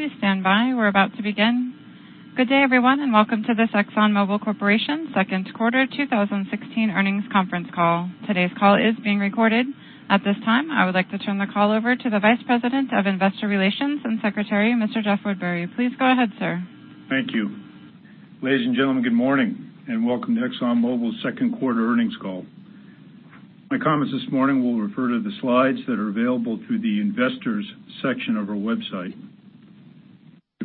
Please stand by. We are about to begin. Good day, everyone, and welcome to this ExxonMobil Corporation second quarter 2016 earnings conference call. Today's call is being recorded. At this time, I would like to turn the call over to the Vice President of Investor Relations and Secretary, Mr. Jeff Woodbury. Please go ahead, sir. Thank you. Ladies and gentlemen, good morning, and welcome to ExxonMobil's second quarter earnings call. My comments this morning will refer to the slides that are available through the investors section of our website.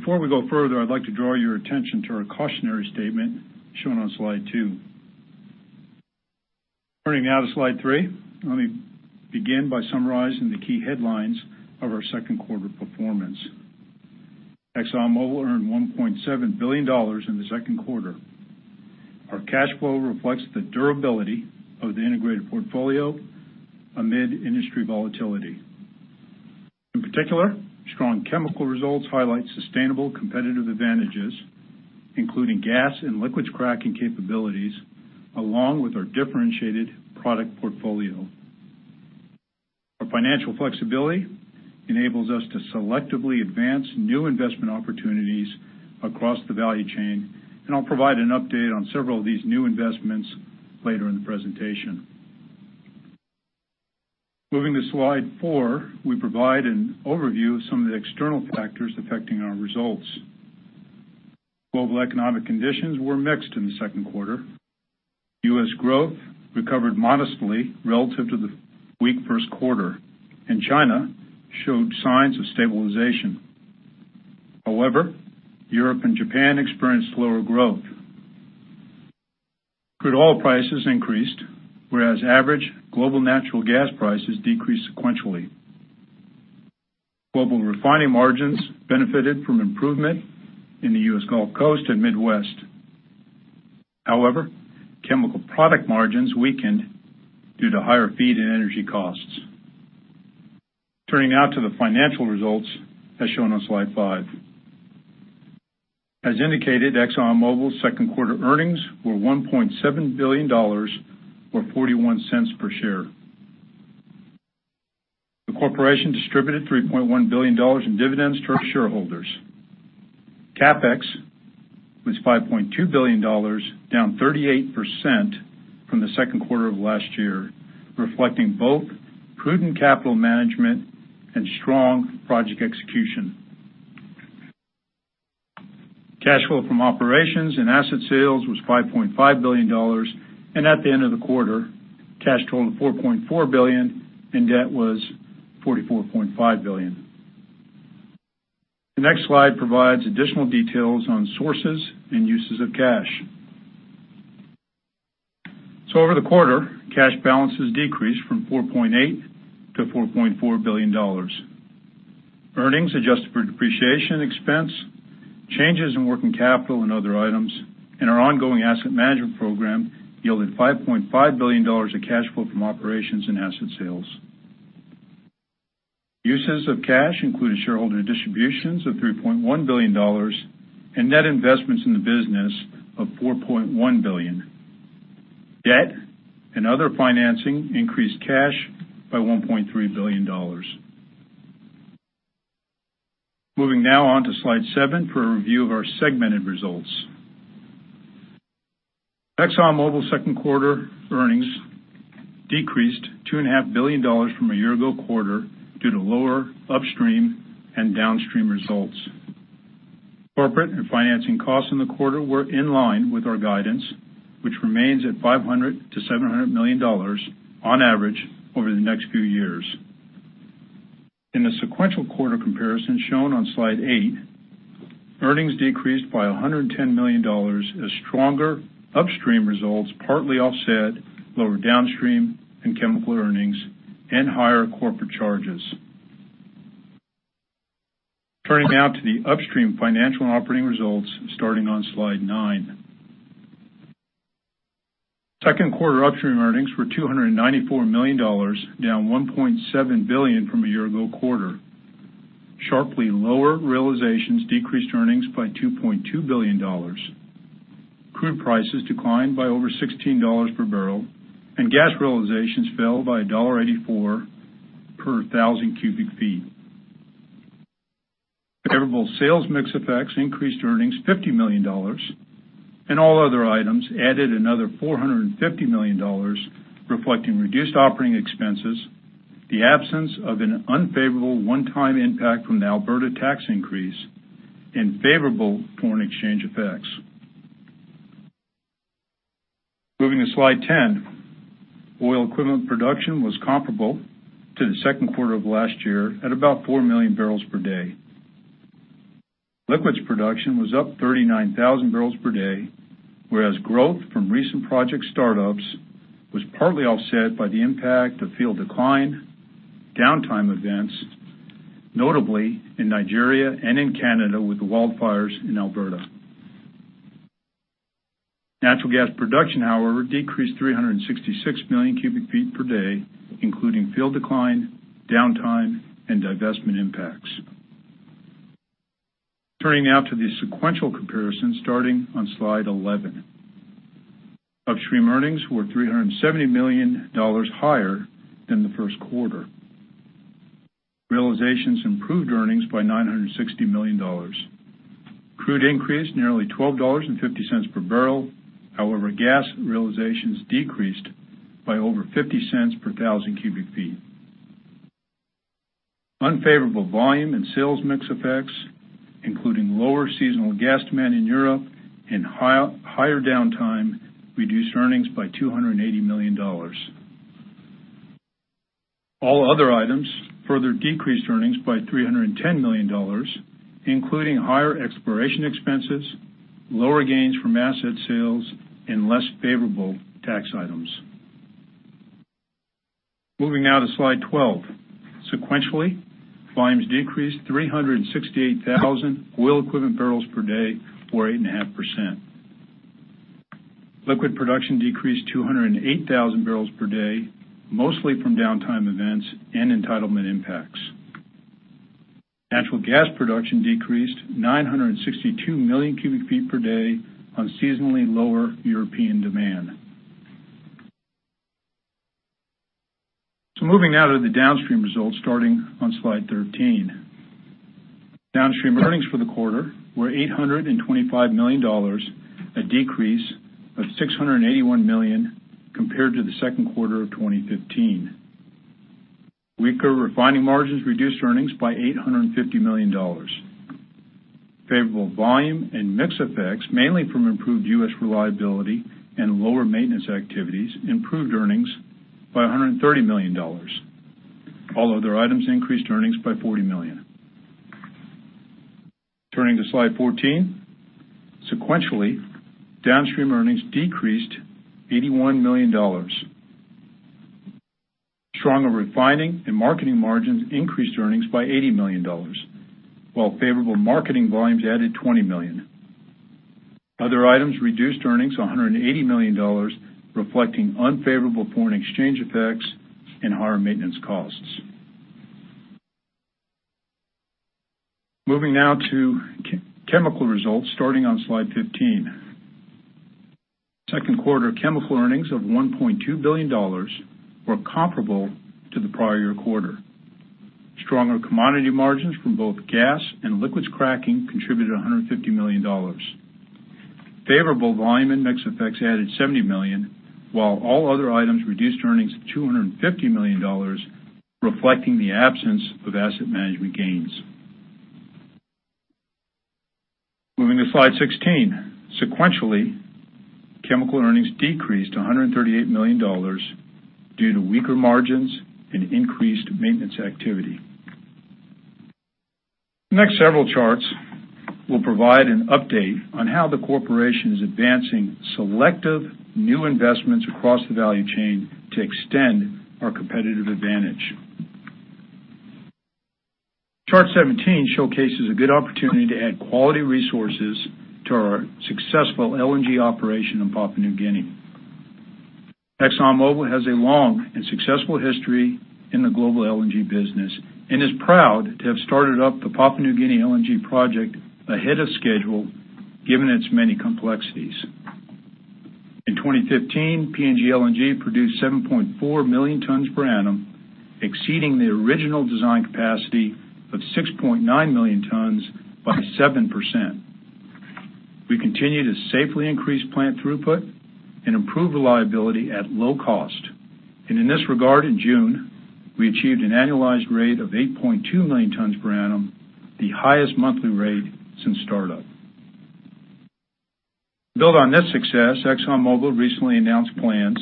Before we go further, I'd like to draw your attention to our cautionary statement shown on slide two. Turning now to slide three. Let me begin by summarizing the key headlines of our second quarter performance. ExxonMobil earned $1.7 billion in the second quarter. Our cash flow reflects the durability of the integrated portfolio amid industry volatility. In particular, strong chemical results highlight sustainable competitive advantages, including gas and liquids cracking capabilities, along with our differentiated product portfolio. Our financial flexibility enables us to selectively advance new investment opportunities across the value chain, and I will provide an update on several of these new investments later in the presentation. Moving to slide four, we provide an overview of some of the external factors affecting our results. Global economic conditions were mixed in the second quarter. U.S. growth recovered modestly relative to the weak first quarter. China showed signs of stabilization. Europe and Japan experienced slower growth. Crude oil prices increased, whereas average global natural gas prices decreased sequentially. Global refining margins benefited from improvement in the U.S. Gulf Coast and Midwest. Chemical product margins weakened due to higher feed and energy costs. Turning now to the financial results as shown on slide five. As indicated, ExxonMobil's second-quarter earnings were $1.7 billion, or $0.41 per share. The corporation distributed $3.1 billion in dividends to our shareholders. CapEx was $5.2 billion, down 38% from the second quarter of last year, reflecting both prudent capital management and strong project execution. Cash flow from operations and asset sales was $5.5 billion. At the end of the quarter, cash total $4.4 billion and debt was $44.5 billion. The next slide provides additional details on sources and uses of cash. Over the quarter, cash balances decreased from $4.8 to $4.4 billion. Earnings adjusted for depreciation expense, changes in working capital and other items, and our ongoing asset management program yielded $5.5 billion of cash flow from operations and asset sales. Uses of cash included shareholder distributions of $3.1 billion and net investments in the business of $4.1 billion. Debt and other financing increased cash by $1.3 billion. Moving now on to slide seven for a review of our segmented results. ExxonMobil second-quarter earnings decreased $2.5 billion from a year-ago quarter due to lower upstream and downstream results. Corporate and financing costs in the quarter were in line with our guidance, which remains at $500 million-$700 million on average over the next few years. In the sequential quarter comparison shown on slide 8, earnings decreased by $110 million as stronger upstream results partly offset lower downstream and chemical earnings and higher corporate charges. Turning now to the upstream financial and operating results starting on slide nine. Second quarter upstream earnings were $294 million, down $1.7 billion from a year-ago quarter. Sharply lower realizations decreased earnings by $2.2 billion. Crude prices declined by over $16 per barrel, and gas realizations fell by $1.84 per thousand cubic feet. Favorable sales mix effects increased earnings $50 million, and all other items added another $450 million, reflecting reduced operating expenses, the absence of an unfavorable one-time impact from the Alberta tax increase, and favorable foreign exchange effects. Moving to slide 10. Oil-equivalent production was comparable to the second quarter of last year at about 4 million barrels per day. Liquids production was up 39,000 barrels per day, whereas growth from recent project startups was partly offset by the impact of field decline, downtime events, notably in Nigeria and in Canada with the wildfires in Alberta. Natural gas production, however, decreased 366 million cubic feet per day, including field decline, downtime, and divestment impacts. Turning now to the sequential comparison starting on slide 11. Upstream earnings were $370 million higher than the first quarter. Realizations improved earnings by $960 million. Crude increased nearly $12.50 per barrel. gas realizations decreased by over $0.50 per 1,000 cubic feet. Unfavorable volume and sales mix effects, including lower seasonal gas demand in Europe and higher downtime, reduced earnings by $280 million. All other items further decreased earnings by $310 million, including higher exploration expenses, lower gains from asset sales, and less favorable tax items. Moving now to slide 12. Sequentially, volumes decreased 368,000 oil equivalent barrels per day or 8.5%. Liquid production decreased 208,000 barrels per day, mostly from downtime events and entitlement impacts. Natural gas production decreased 962 million cubic feet per day on seasonally lower European demand. Moving now to the downstream results starting on slide 13. Downstream earnings for the quarter were $825 million, a decrease of $681 million compared to the second quarter of 2015. Weaker refining margins reduced earnings by $850 million. Favorable volume and mix effects, mainly from improved U.S. reliability and lower maintenance activities, improved earnings by $130 million. All other items increased earnings by $40 million. Turning to slide 14. Sequentially, downstream earnings decreased $81 million. Stronger refining and marketing margins increased earnings by $80 million, while favorable marketing volumes added $20 million. Other items reduced earnings $180 million, reflecting unfavorable foreign exchange effects and higher maintenance costs. Moving now to chemical results starting on slide 15. Second quarter chemical earnings of $1.2 billion were comparable to the prior year quarter. Stronger commodity margins from both gas and liquids cracking contributed $150 million. Favorable volume and mix effects added $70 million, while all other items reduced earnings of $250 million, reflecting the absence of asset management gains. Moving to slide 16. Sequentially, chemical earnings decreased to $138 million due to weaker margins and increased maintenance activity. The next several charts will provide an update on how the corporation is advancing selective new investments across the value chain to extend our competitive advantage. Chart 17 showcases a good opportunity to add quality resources to our successful LNG operation in Papua New Guinea. ExxonMobil has a long and successful history in the global LNG business and is proud to have started up the Papua New Guinea LNG project ahead of schedule, given its many complexities. In 2015, PNG LNG produced 7.4 million tons per annum, exceeding the original design capacity of 6.9 million tons by 7%. We continue to safely increase plant throughput and improve reliability at low cost. In this regard, in June, we achieved an annualized rate of 8.2 million tons per annum, the highest monthly rate since startup. To build on this success, ExxonMobil recently announced plans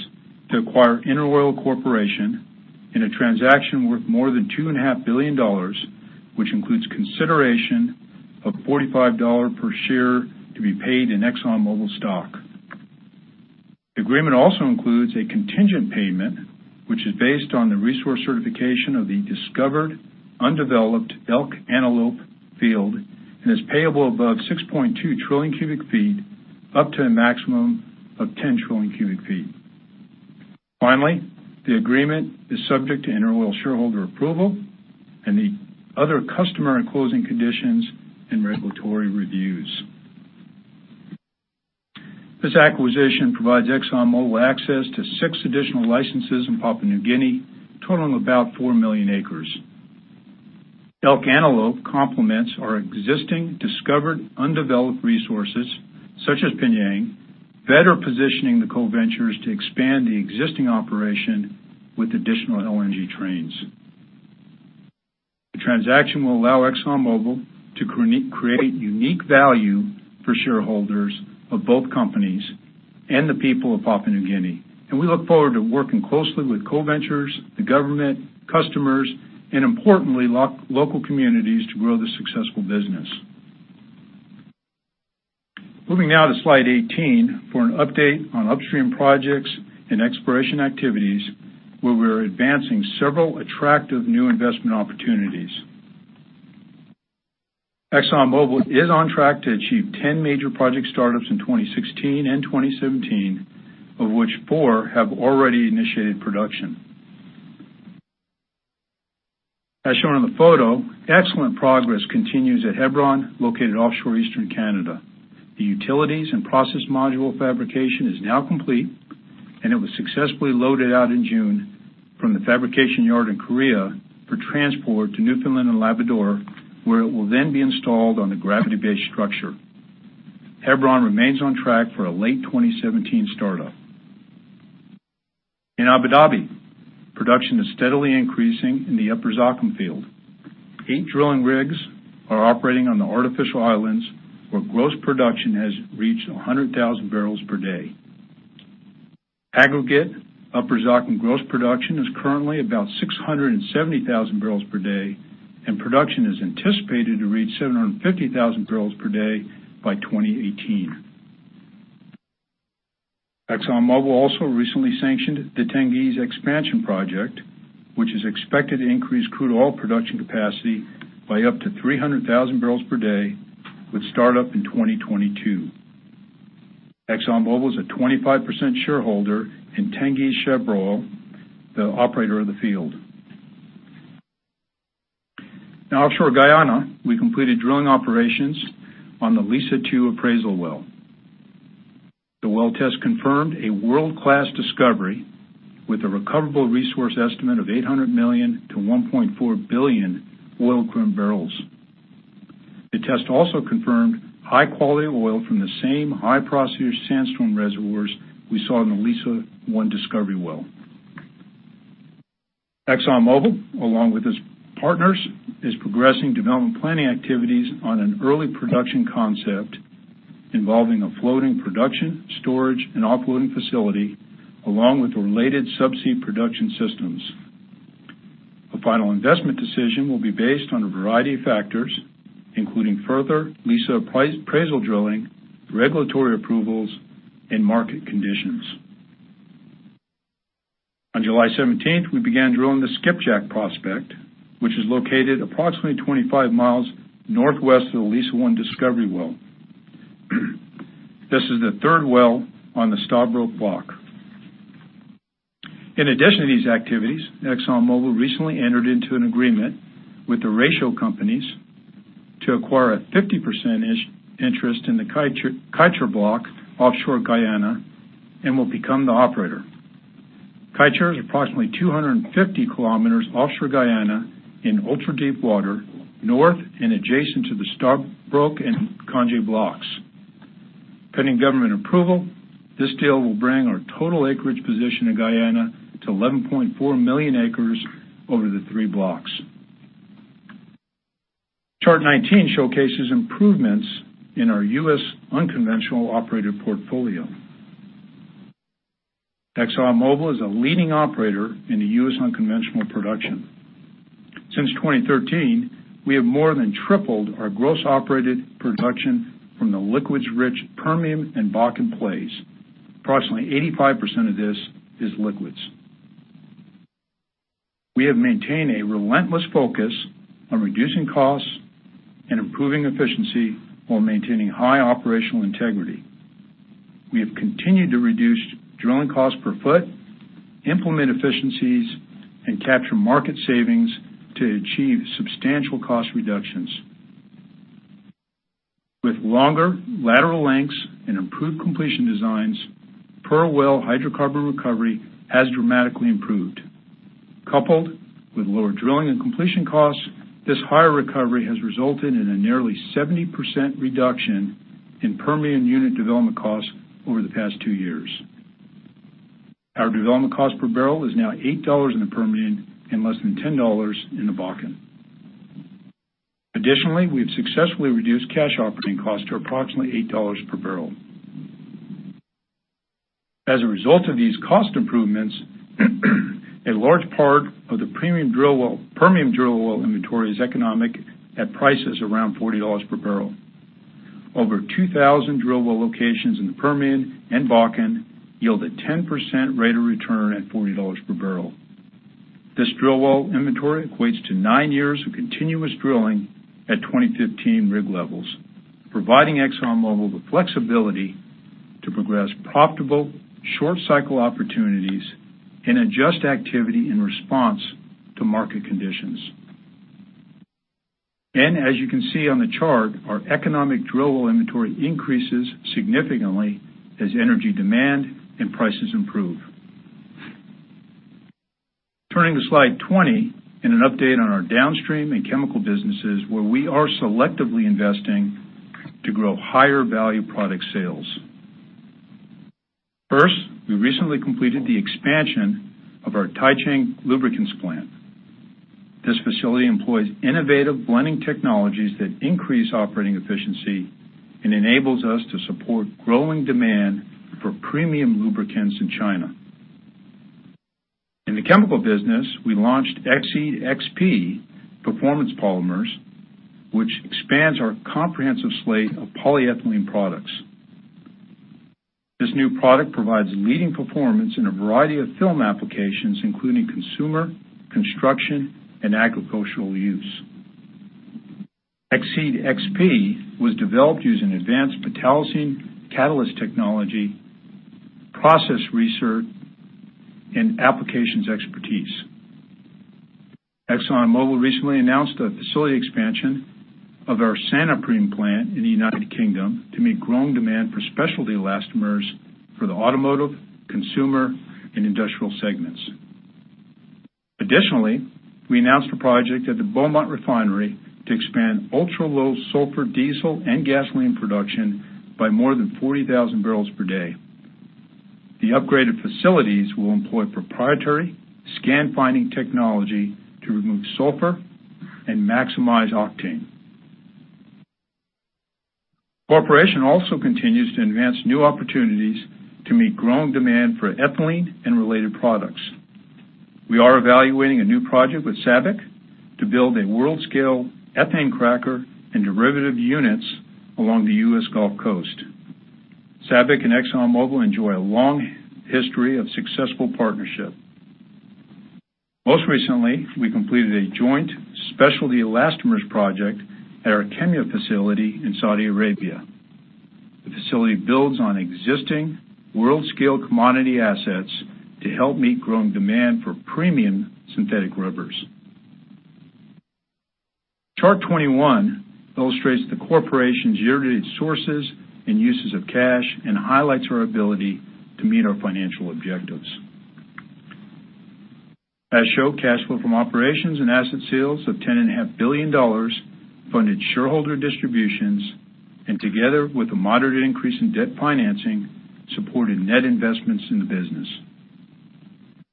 to acquire InterOil Corporation in a transaction worth more than $2.5 billion, which includes consideration of $45 per share to be paid in ExxonMobil stock. The agreement also includes a contingent payment, which is based on the resource certification of the discovered undeveloped Elk-Antelope field and is payable above 6.2 trillion cubic feet up to a maximum of 10 trillion cubic feet. Finally, the agreement is subject to InterOil shareholder approval and the other customer closing conditions and regulatory reviews. This acquisition provides ExxonMobil access to six additional licenses in Papua New Guinea, totaling about 4 million acres. Elk-Antelope complements our existing discovered undeveloped resources such as PNG, better positioning the co-ventures to expand the existing operation with additional LNG trains. The transaction will allow ExxonMobil to create unique value for shareholders of both companies and the people of Papua New Guinea. We look forward to working closely with co-ventures, the government, customers, and importantly, local communities to grow this successful business. Moving now to slide 18 for an update on upstream projects and exploration activities, where we're advancing several attractive new investment opportunities. ExxonMobil is on track to achieve 10 major project startups in 2016 and 2017, of which four have already initiated production. As shown in the photo, excellent progress continues at Hebron, located offshore Eastern Canada. The utilities and process module fabrication is now complete, and it was successfully loaded out in June from the fabrication yard in Korea for transport to Newfoundland and Labrador, where it will then be installed on the gravity base structure. Hebron remains on track for a late 2017 startup. In Abu Dhabi, production is steadily increasing in the Upper Zakum field. Eight drilling rigs are operating on the artificial islands, where gross production has reached 100,000 barrels per day. Aggregate Upper Zakum gross production is currently about 670,000 barrels per day, and production is anticipated to reach 750,000 barrels per day by 2018. ExxonMobil also recently sanctioned the Tengiz Expansion Project, which is expected to increase crude oil production capacity by up to 300,000 barrels per day, with startup in 2022. ExxonMobil is a 25% shareholder in Tengizchevroil, the operator of the field. Now offshore Guyana, we completed drilling operations on the Liza-2 appraisal well. The well test confirmed a world-class discovery with a recoverable resource estimate of 800 million-1.4 billion oil equivalent barrels. The test also confirmed high-quality oil from the same high porosity sandstone reservoirs we saw in the Liza-1 discovery well. ExxonMobil, along with its partners, is progressing development planning activities on an early production concept involving a floating production, storage, and offloading facility, along with related subsea production systems. The final investment decision will be based on a variety of factors, including further Liza appraisal drilling, regulatory approvals, and market conditions. On July 17th, we began drilling the Skipjack prospect, which is located approximately 25 miles northwest of the Liza-1 discovery well. This is the third well on the Stabroek Block. In addition to these activities, ExxonMobil recently entered into an agreement with Ratio Petroleum to acquire a 50% interest in the Kaieteur Block offshore Guyana and will become the operator. Kaieteur is approximately 250 kilometers offshore Guyana in ultra-deep water, north and adjacent to the Stabroek and Canje blocks. Pending government approval, this deal will bring our total acreage position in Guyana to 11.4 million acres over the three blocks. Chart 19 showcases improvements in our U.S. unconventional operated portfolio. ExxonMobil is a leading operator in the U.S. unconventional production. Since 2013, we have more than tripled our gross operated production from the liquids-rich Permian and Bakken plays. Approximately 85% of this is liquids. We have maintained a relentless focus on reducing costs and improving efficiency while maintaining high operational integrity. We have continued to reduce drilling cost per foot, implement efficiencies, and capture market savings to achieve substantial cost reductions. With longer lateral lengths and improved completion designs, per well hydrocarbon recovery has dramatically improved. Coupled with lower drilling and completion costs, this higher recovery has resulted in a nearly 70% reduction in Permian unit development costs over the past two years. Our development cost per barrel is now $8 in the Permian and less than $10 in the Bakken. Additionally, we've successfully reduced cash operating costs to approximately $8 per barrel. As a result of these cost improvements, a large part of the Permian drill well inventory is economic at prices around $40 per barrel. Over 2,000 drill well locations in the Permian and Bakken yield a 10% rate of return at $40 per barrel. This drill well inventory equates to nine years of continuous drilling at 2015 rig levels, providing ExxonMobil the flexibility to progress profitable short-cycle opportunities and adjust activity in response to market conditions. As you can see on the chart, our economic drill well inventory increases significantly as energy demand and prices improve. Turning to slide 20 and an update on our downstream and chemical businesses, where we are selectively investing to grow higher-value product sales. First, we recently completed the expansion of our Taicang lubricants plant. This facility employs innovative blending technologies that increase operating efficiency and enables us to support growing demand for premium lubricants in China. In the chemical business, we launched Exceed XP performance polymers, which expands our comprehensive slate of polyethylene products. This new product provides leading performance in a variety of film applications, including consumer, construction, and agricultural use. Exceed XP was developed using advanced metallocene catalyst technology, process research, and applications expertise. ExxonMobil recently announced a facility expansion of our Santoprene plant in the U.K. to meet growing demand for specialty elastomers for the automotive, consumer, and industrial segments. Additionally, we announced a project at the Beaumont Refinery to expand ultra-low sulfur diesel and gasoline production by more than 40,000 barrels per day. The upgraded facilities will employ proprietary SCANfining technology to remove sulfur and maximize octane. The corporation also continues to advance new opportunities to meet growing demand for ethylene and related products. We are evaluating a new project with SABIC to build a world-scale ethane cracker and derivative units along the U.S. Gulf Coast. SABIC and ExxonMobil enjoy a long history of successful partnership. Most recently, we completed a joint specialty elastomers project at our Kemya facility in Saudi Arabia. The facility builds on existing world-scale commodity assets to help meet growing demand for premium synthetic rubbers. Chart 21 illustrates the corporation's year-to-date sources and uses of cash and highlights our ability to meet our financial objectives. As shown, cash flow from operations and asset sales of $10.5 billion funded shareholder distributions, and together with a moderate increase in debt financing, supported net investments in the business.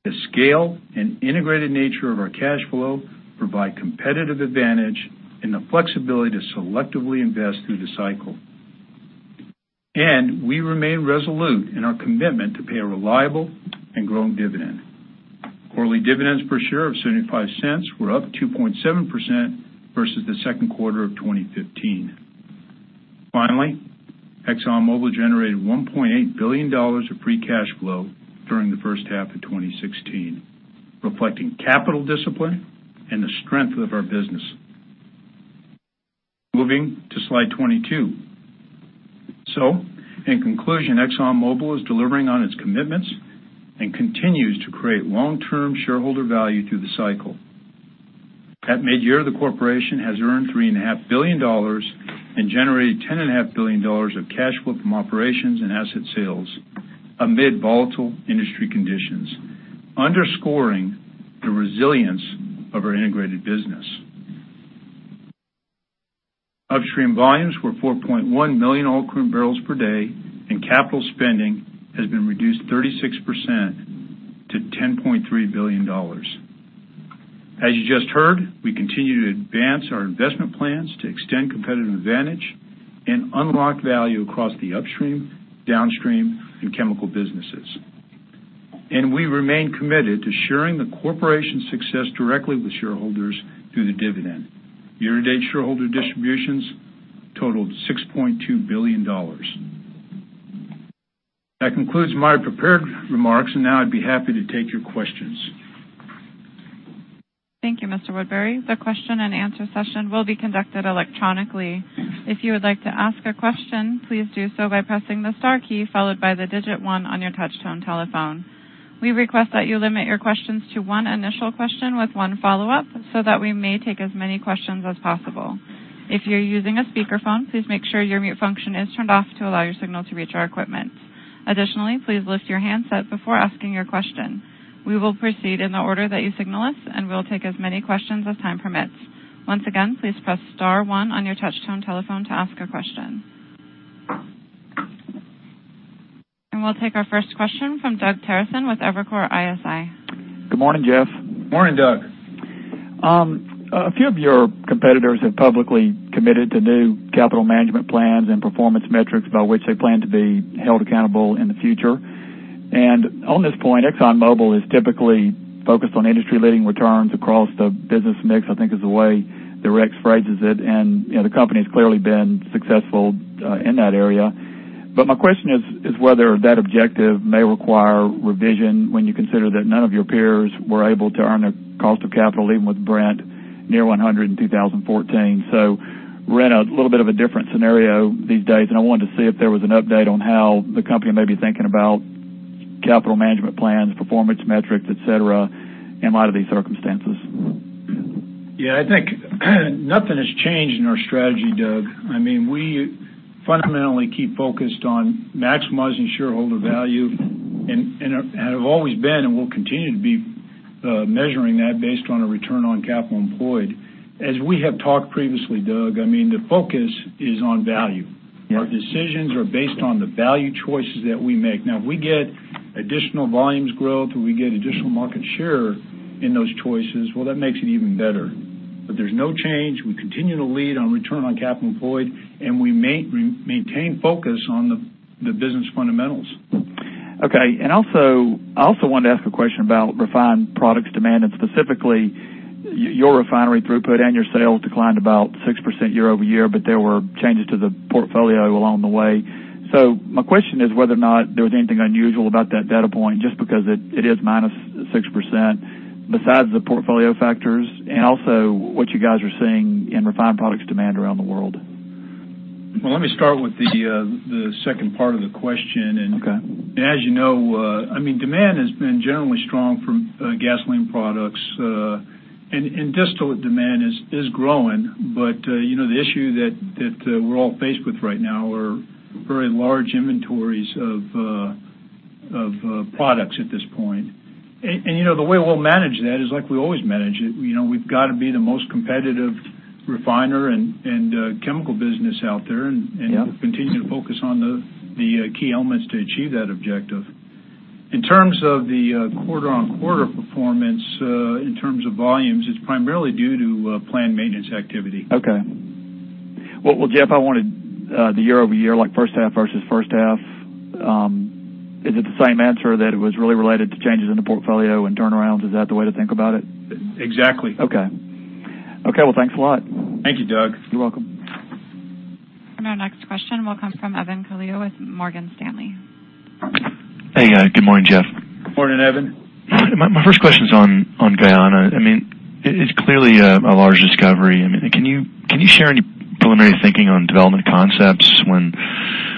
The scale and integrated nature of our cash flow provide competitive advantage and the flexibility to selectively invest through the cycle. We remain resolute in our commitment to pay a reliable and growing dividend. Quarterly dividends per share of $0.75 were up 2.7% versus the second quarter of 2015. Finally, ExxonMobil generated $1.8 billion of free cash flow during the first half of 2016, reflecting capital discipline and the strength of our business. Moving to slide 22. In conclusion, ExxonMobil is delivering on its commitments and continues to create long-term shareholder value through the cycle. At mid-year, the corporation has earned $3.5 billion and generated $10.5 billion of cash flow from operations and asset sales amid volatile industry conditions, underscoring the resilience of our integrated business. Upstream volumes were 4.1 million oil equivalent barrels per day, and capital spending has been reduced 36% to $10.3 billion. As you just heard, we continue to advance our investment plans to extend competitive advantage and unlock value across the upstream, downstream, and chemical businesses. We remain committed to sharing the corporation's success directly with shareholders through the dividend. Year-to-date shareholder distributions totaled $6.2 billion. That concludes my prepared remarks, and now I'd be happy to take your questions. Thank you, Mr. Woodbury. The question and answer session will be conducted electronically. If you would like to ask a question, please do so by pressing the star key followed by the digit 1 on your touch-tone telephone. We request that you limit your questions to 1 initial question with 1 follow-up so that we may take as many questions as possible. If you're using a speakerphone, please make sure your mute function is turned off to allow your signal to reach our equipment. Additionally, please lift your handset before asking your question. We will proceed in the order that you signal us, and we'll take as many questions as time permits. Once again, please press star 1 on your touch-tone telephone to ask a question. We'll take our first question from Doug Terreson with Evercore ISI. Good morning, Jeff. Morning, Doug. On this point, ExxonMobil is typically focused on industry-leading returns across the business mix, I think is the way Rex phrases it, and the company has clearly been successful in that area. My question is whether that objective may require revision when you consider that none of your peers were able to earn a cost of capital, even with Brent near $100 in 2014. We're in a little bit of a different scenario these days, and I wanted to see if there was an update on how the company may be thinking about capital management plans, performance metrics, et cetera, in light of these circumstances. Yeah, I think nothing has changed in our strategy, Doug. We fundamentally keep focused on maximizing shareholder value and have always been and will continue to be measuring that based on a return on capital employed. As we have talked previously, Doug, the focus is on value. Yeah. Our decisions are based on the value choices that we make. If we get additional volumes growth or we get additional market share in those choices, well, that makes it even better. There's no change. We continue to lead on return on capital employed, and we maintain focus on the business fundamentals. Okay. I also wanted to ask a question about refined products demand, and specifically your refinery throughput and your sales declined about 6% year-over-year, but there were changes to the portfolio along the way. My question is whether or not there was anything unusual about that data point, just because it is minus 6%, besides the portfolio factors, and also what you guys are seeing in refined products demand around the world. Well, let me start with the second part of the question. Okay. As you know, demand has been generally strong from gasoline products. Distillate demand is growing. The issue that we're all faced with right now are very large inventories of products at this point. The way we'll manage that is like we always manage it. We've got to be the most competitive refiner and chemical business out there. Yeah continue to focus on the key elements to achieve that objective. In terms of the quarter-on-quarter performance in terms of volumes, it's primarily due to planned maintenance activity. Okay. Well, Jeff, I wanted the year-over-year, like first half versus first half. Is it the same answer that it was really related to changes in the portfolio and turnarounds? Is that the way to think about it? Exactly. Okay. Well, thanks a lot. Thank you, Doug. You're welcome. Our next question will come from Evan Calio with Morgan Stanley. Hey. Good morning, Jeff. Morning, Evan. My first question's on Guyana. It's clearly a large discovery. Can you share any preliminary thinking on development concepts, when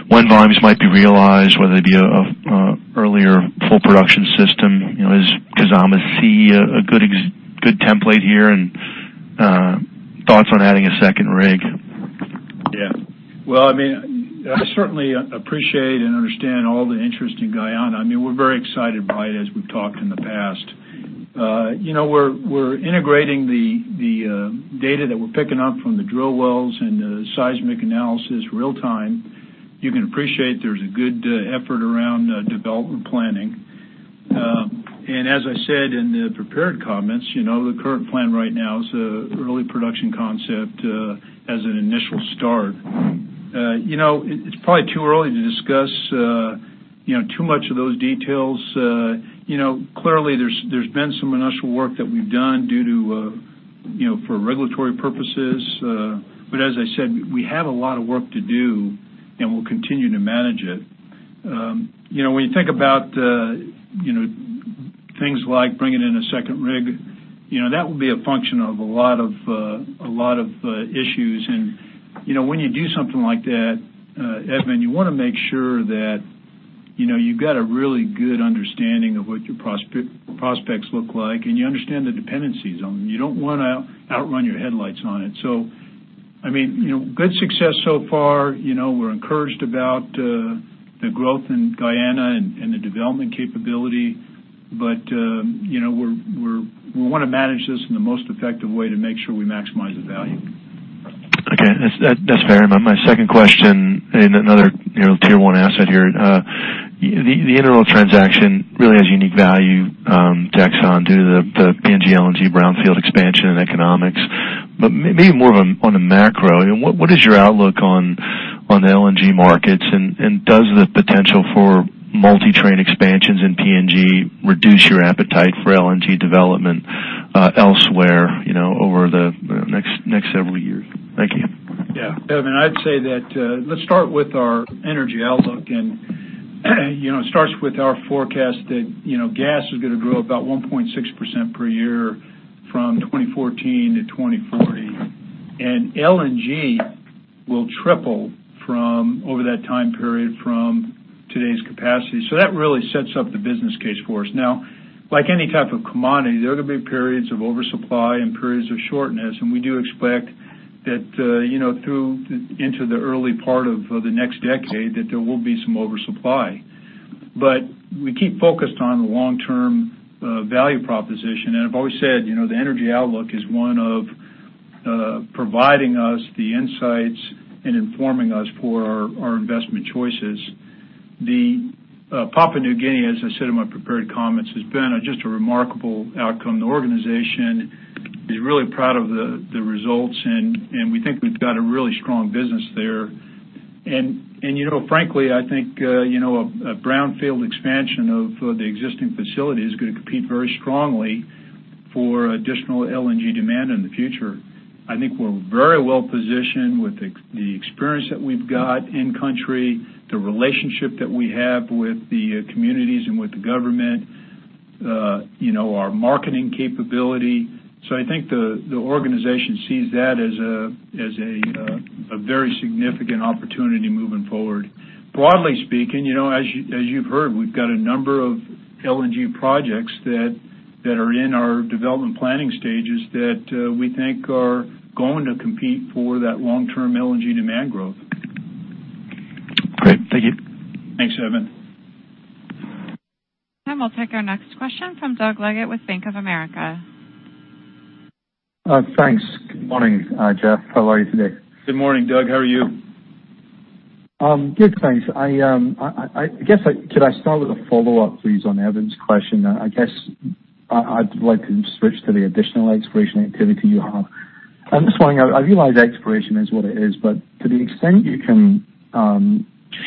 volumes might be realized, whether they be a earlier full production system? Is Kizomba C a good template here, and thoughts on adding a second rig? Yeah. Well, I certainly appreciate and understand all the interest in Guyana. We're very excited by it, as we've talked in the past. We're integrating the data that we're picking up from the drill wells and the seismic analysis real time. You can appreciate there's a good effort around development planning. As I said in the prepared comments, the current plan right now is early production concept as an initial start. It's probably too early to discuss too much of those details. Clearly, there's been some initial work that we've done for regulatory purposes. As I said, we have a lot of work to do, and we'll continue to manage it. When you think about things like bringing in a second rig, that will be a function of a lot of issues. When you do something like that, Evan, you want to make sure that you've got a really good understanding of what your prospects look like, and you understand the dependencies on them. You don't want to outrun your headlights on it. Good success so far. We're encouraged about the growth in Guyana and the development capability. We want to manage this in the most effective way to make sure we maximize the value. Okay. That's fair. My second question in another tier 1 asset here. The InterOil transaction really has unique value to Exxon due to the PNG LNG brownfield expansion and economics. Maybe more on a macro, what is your outlook on the LNG markets, does the potential for multi-train expansions in PNG reduce your appetite for LNG development elsewhere over the next several years? Thank you. Yeah. Evan, I'd say that let's start with our energy outlook. It starts with our forecast that gas is going to grow about 1.6% per year from 2014 to 2040. LNG will triple over that time period from today's capacity. That really sets up the business case for us. Now, like any type of commodity, there are going to be periods of oversupply and periods of shortness, and we do expect that through into the early part of the next decade that there will be some oversupply. We keep focused on the long-term value proposition. I've always said, the energy outlook is one of providing us the insights and informing us for our investment choices. Papua New Guinea, as I said in my prepared comments, has been just a remarkable outcome. The organization is really proud of the results, and we think we've got a really strong business there. Frankly, I think a brownfield expansion of the existing facility is going to compete very strongly for additional LNG demand in the future. I think we're very well-positioned with the experience that we've got in country, the relationship that we have with the communities and with the government, our marketing capability. I think the organization sees that as a very significant opportunity moving forward. Broadly speaking, as you've heard, we've got a number of LNG projects that are in our development planning stages that we think are going to compete for that long-term LNG demand growth. Great. Thank you. Thanks, Evan. We'll take our next question from Doug Leggate with Bank of America. Thanks. Good morning, Jeff. How are you today? Good morning, Doug. How are you? Thanks. Good morning, Jeff. Could I start with a follow-up, please, on Evan's question? I guess I'd like to switch to the additional exploration activity you have. I'm just wondering, I realize exploration is what it is, but to the extent you can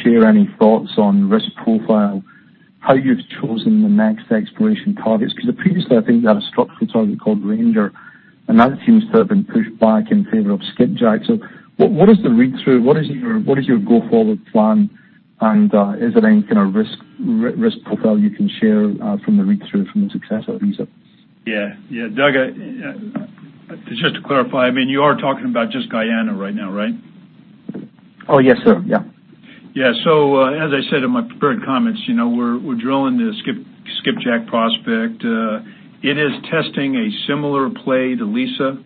share any thoughts on risk profile how you've chosen the next exploration targets, because previously, I think you had a structural target called Ranger, and that seems to have been pushed back in favor of Skipjack. What is the read-through? What is your go-forward plan? Is there any kind of risk profile you can share from the read-through from the success of Liza? Doug, just to clarify, you are talking about just Guyana right now, right? Yes, sir. As I said in my prepared comments, we're drilling the Skipjack prospect. It is testing a similar play to Liza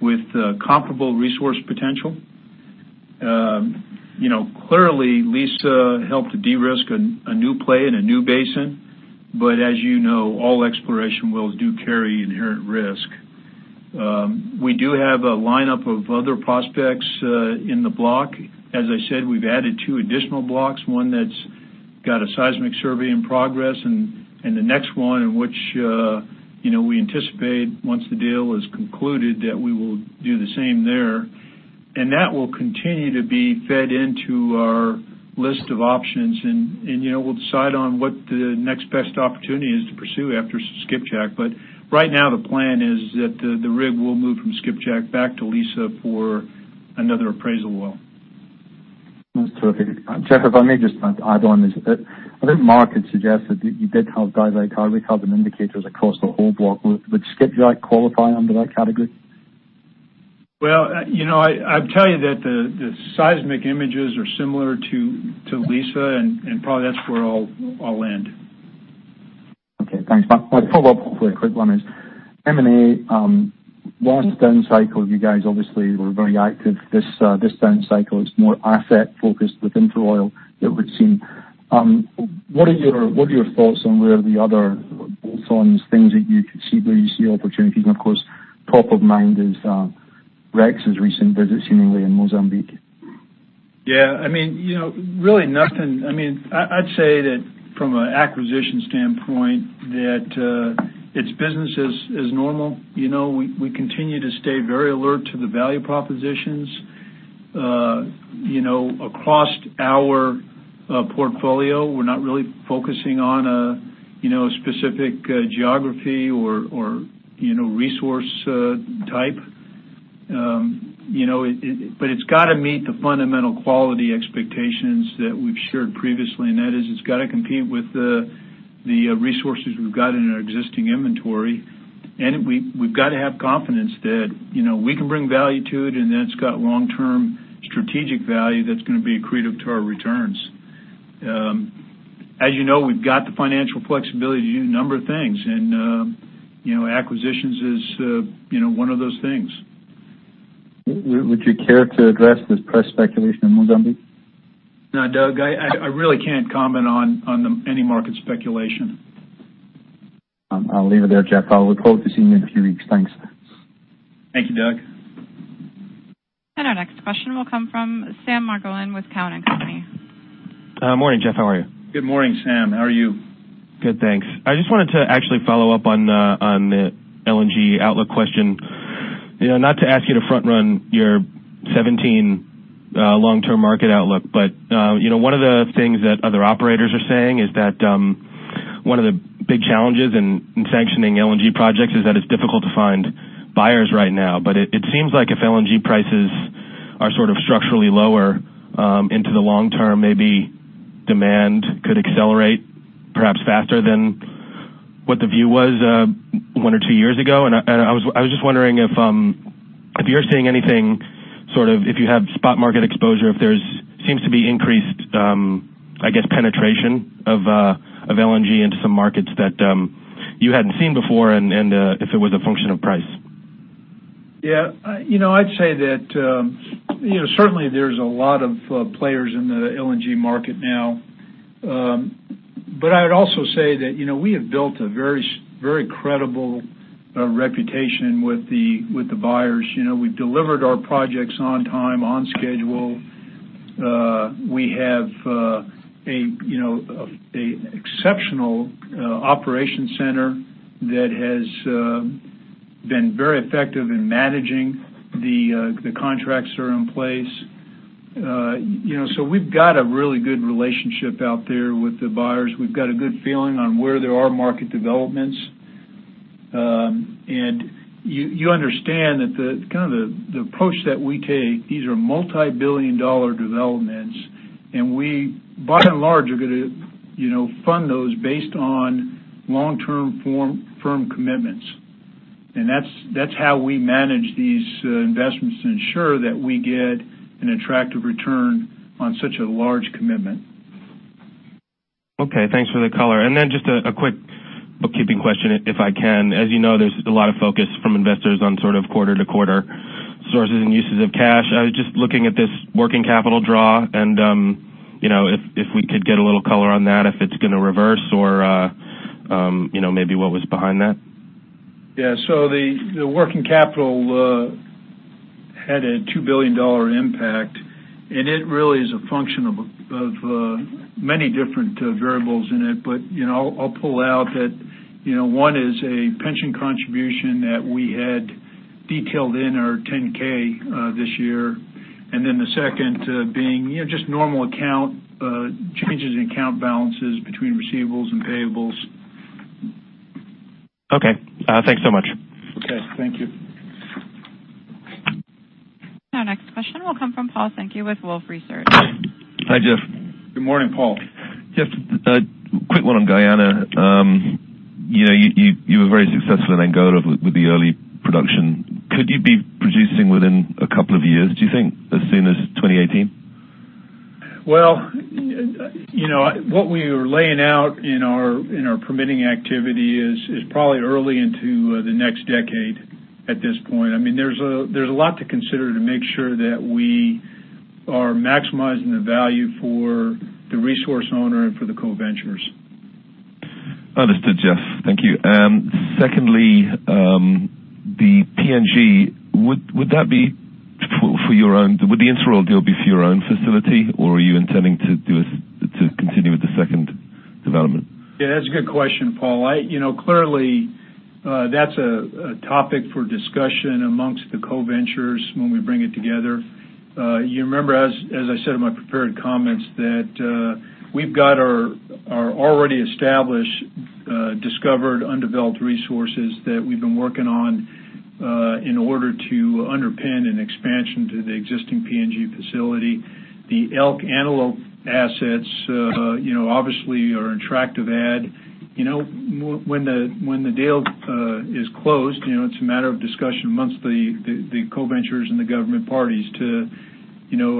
with comparable resource potential. Clearly, Liza helped to de-risk a new play in a new basin. As you know, all exploration wells do carry inherent risk. We do have a lineup of other prospects in the block. As I said, we've added two additional blocks, one that's got a seismic survey in progress, and the next one in which we anticipate, once the deal is concluded, that we will do the same there. That will continue to be fed into our list of options, and we'll decide on what the next best opportunity is to pursue after Skipjack. Right now, the plan is that the rig will move from Skipjack back to Liza for another appraisal well. That's terrific. Jeff, if I may just add on this. I think Mark had suggested that you did have DHI, how we call them, indicators across the whole block. Would Skipjack qualify under that category? Well, I'll tell you that the seismic images are similar to Liza, and probably that's where I'll end. Okay, thanks. My follow-up, a quick one, is M&A. Last down cycle, you guys obviously were very active. This down cycle is more asset focused with InterOil, it would seem. What are your thoughts on where the other bolt-ons, things that you could see where you see opportunities? Of course, top of mind is Rex's recent visit seemingly in Mozambique. Yeah. I'd say that from an acquisition standpoint, that it's business as normal. We continue to stay very alert to the value propositions. Across our portfolio, we're not really focusing on a specific geography or resource type. It's got to meet the fundamental quality expectations that we've shared previously, and that is, it's got to compete with the resources we've got in our existing inventory. We've got to have confidence that we can bring value to it, and that it's got long-term strategic value that's going to be accretive to our returns. As you know, we've got the financial flexibility to do a number of things, and acquisitions is one of those things. Would you care to address this press speculation in Mozambique? No, Doug, I really can't comment on any market speculation. I'll leave it there, Jeff. I look forward to seeing you in a few weeks. Thanks. Thank you, Doug. Our next question will come from Sam Margolin with Cowen and Company. Morning, Jeff, how are you? Good morning, Sam. How are you? Good, thanks. I just wanted to actually follow up on the LNG outlook question. Not to ask you to front-run your 2017 long-term market outlook, one of the things that other operators are saying is that one of the big challenges in sanctioning LNG projects is that it's difficult to find buyers right now. It seems like if LNG prices are sort of structurally lower into the long term, maybe demand could accelerate perhaps faster than what the view was one or two years ago. I was just wondering if you're seeing anything sort of if you have spot market exposure, if there seems to be increased penetration of LNG into some markets that you hadn't seen before, and if it was a function of price. Yeah. I'd say that certainly there's a lot of players in the LNG market now. I would also say that we have built a very credible reputation with the buyers. We've delivered our projects on time, on schedule. We have an exceptional operation center that has been very effective in managing the contracts that are in place. We've got a really good relationship out there with the buyers. We've got a good feeling on where there are market developments. You understand that the approach that we take, these are multi-billion dollar developments, and we by and large are going to fund those based on long-term firm commitments. That's how we manage these investments to ensure that we get an attractive return on such a large commitment. Okay. Thanks for the color. Just a quick bookkeeping question if I can. As you know, there's a lot of focus from investors on sort of quarter-to-quarter sources and uses of cash. I was just looking at this working capital draw and if we could get a little color on that, if it's going to reverse or maybe what was behind that. Yeah. The working capital had a $2 billion impact, and it really is a function of many different variables in it. I'll pull out that One is a pension contribution that we had detailed in our 10-K this year. The second being just normal changes in account balances between receivables and payables. Okay. Thanks so much. Okay. Thank you. Our next question will come from Paul Sankey with Wolfe Research. Hi, Jeff. Good morning, Paul. Jeff, quick one on Guyana. You were very successful in Angola with the early production. Could you be producing within a couple of years, do you think, as soon as 2018? Well, what we are laying out in our permitting activity is probably early into the next decade at this point. There's a lot to consider to make sure that we are maximizing the value for the resource owner and for the co-venturers. Understood, Jeff. Thank you. Secondly, the PNG, would the InterOil deal be for your own facility, or are you intending to continue with the second development? Yeah, that's a good question, Paul. Clearly, that's a topic for discussion amongst the co-venturers when we bring it together. You remember, as I said in my prepared comments, that we've got our already established, discovered, undeveloped resources that we've been working on in order to underpin an expansion to the existing PNG facility. The Elk-Antelope assets obviously are an attractive add. When the deal is closed, it's a matter of discussion amongst the co-venturers and the government parties to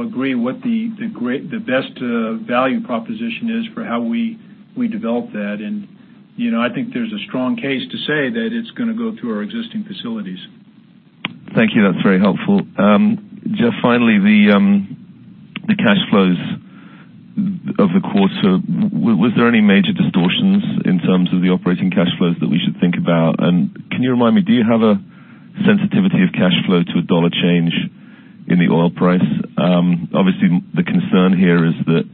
agree what the best value proposition is for how we develop that. I think there's a strong case to say that it's going to go through our existing facilities. Thank you. That's very helpful. Jeff, finally, the cash flows of the quarter. Was there any major distortions in terms of the operating cash flows that we should think about? Can you remind me, do you have a sensitivity of cash flow to a dollar change in the oil price? Obviously, the concern here is that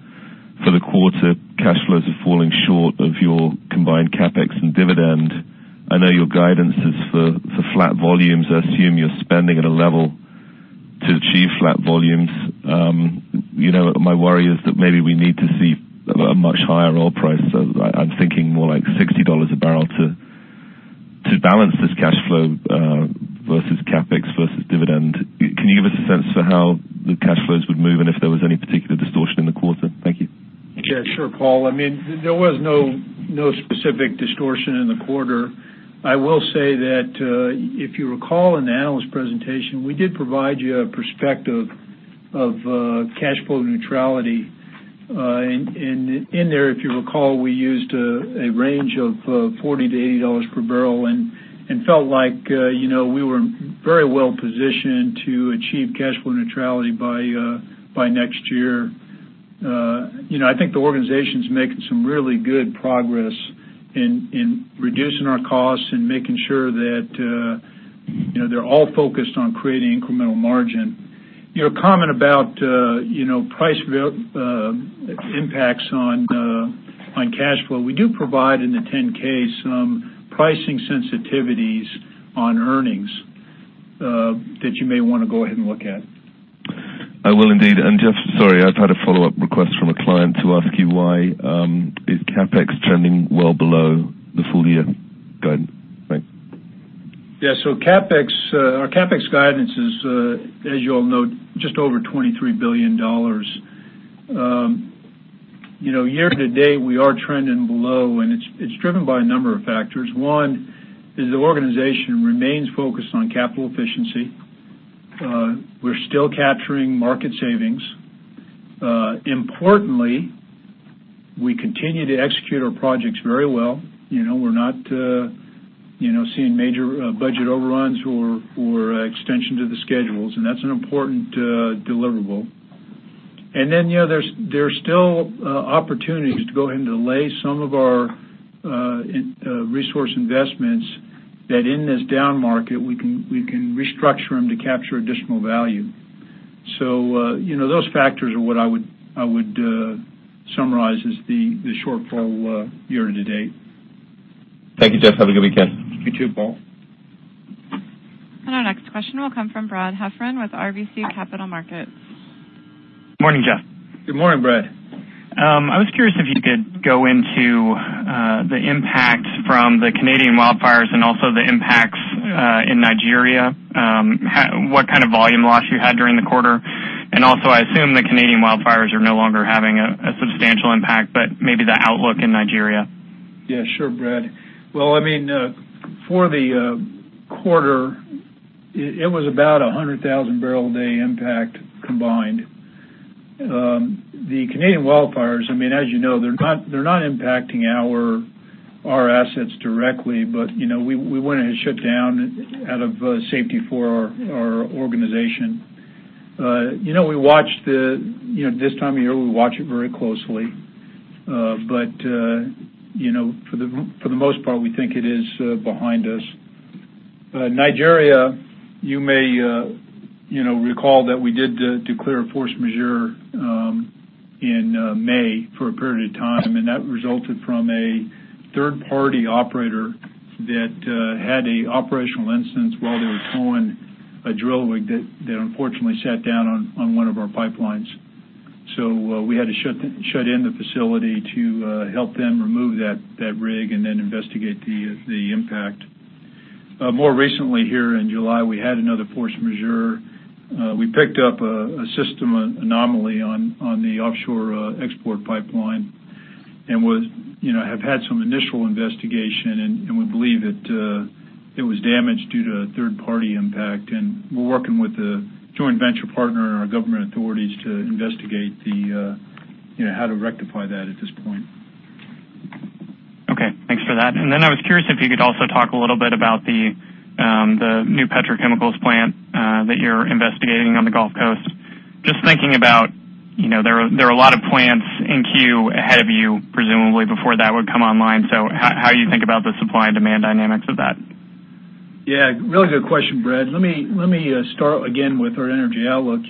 for the quarter, cash flows are falling short of your combined CapEx and dividend. I know your guidance is for flat volumes. I assume you're spending at a level to achieve flat volumes. My worry is that maybe we need to see a much higher oil price. I'm thinking more like $60 a barrel to balance this cash flow versus CapEx versus dividend. Can you give us a sense for how the cash flows would move and if there was any particular distortion in the quarter? Thank you. Yeah, sure, Paul. There was no specific distortion in the quarter. I will say that if you recall in the analyst presentation, we did provide you a perspective of cash flow neutrality. In there, if you recall, we used a range of $40-$80 per barrel and felt like we were very well positioned to achieve cash flow neutrality by next year. I think the organization's making some really good progress in reducing our costs and making sure that they're all focused on creating incremental margin. Your comment about price impacts on cash flow, we do provide in the 10-K some pricing sensitivities on earnings that you may want to go ahead and look at. I will indeed. Jeff, sorry, I've had a follow-up request from a client to ask you why is CapEx trending well below the full year guide? Thanks. Yeah. Our CapEx guidance is, as you all know, just over $23 billion. Year to date, we are trending below, and it's driven by a number of factors. One is the organization remains focused on capital efficiency. We're still capturing market savings. Importantly, we continue to execute our projects very well. We're not seeing major budget overruns or extension to the schedules, and that's an important deliverable. Then there's still opportunities to go ahead and delay some of our resource investments that in this down market, we can restructure them to capture additional value. Those factors are what I would summarize as the shortfall year to date. Thank you, Jeff. Have a good weekend. You too, Paul. Our next question will come from Brad Heffern with RBC Capital Markets. Morning, Jeff. Good morning, Brad. I was curious if you could go into the impact from the Canadian wildfires and also the impacts in Nigeria, what kind of volume loss you had during the quarter. I assume the Canadian wildfires are no longer having a substantial impact, but maybe the outlook in Nigeria. Yeah, sure, Brad. Well, for the quarter, it was about 100,000 barrel a day impact combined. The Canadian wildfires, as you know, they're not impacting our assets directly, but we went ahead and shut down out of safety for our organization. This time of year, we watch it very closely. For the most part, we think it is behind us. Nigeria, you may recall that we did declare force majeure in May for a period of time, that resulted from a third-party operator that had a operational incident while they were towing a drill rig that unfortunately sat down on one of our pipelines. We had to shut in the facility to help them remove that rig and then investigate the impact. More recently here in July, we had another force majeure. We picked up a system anomaly on the offshore export pipeline and have had some initial investigation, and we believe that it was damaged due to a third-party impact. We're working with the joint venture partner and our government authorities to investigate how to rectify that at this point. Okay. Thanks for that. I was curious if you could also talk a little bit about the new petrochemicals plant that you're investigating on the Gulf Coast. Just thinking about there are a lot of plants in queue ahead of you, presumably before that would come online. How you think about the supply and demand dynamics of that? Yeah, really good question, Brad. Let me start again with our energy outlook.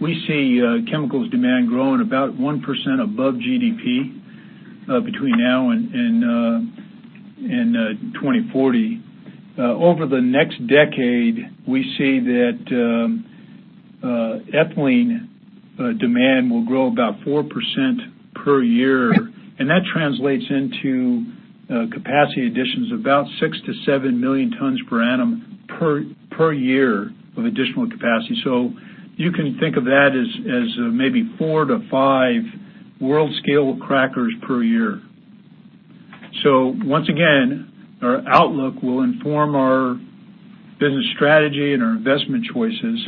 We see chemicals demand growing about 1% above GDP between now and 2040. Over the next decade, we see that ethylene demand will grow about 4% per year, and that translates into capacity additions of about 6 million-7 million tons per annum of additional capacity. You can think of that as maybe 4-5 world-scale crackers per year. Once again, our outlook will inform our business strategy and our investment choices,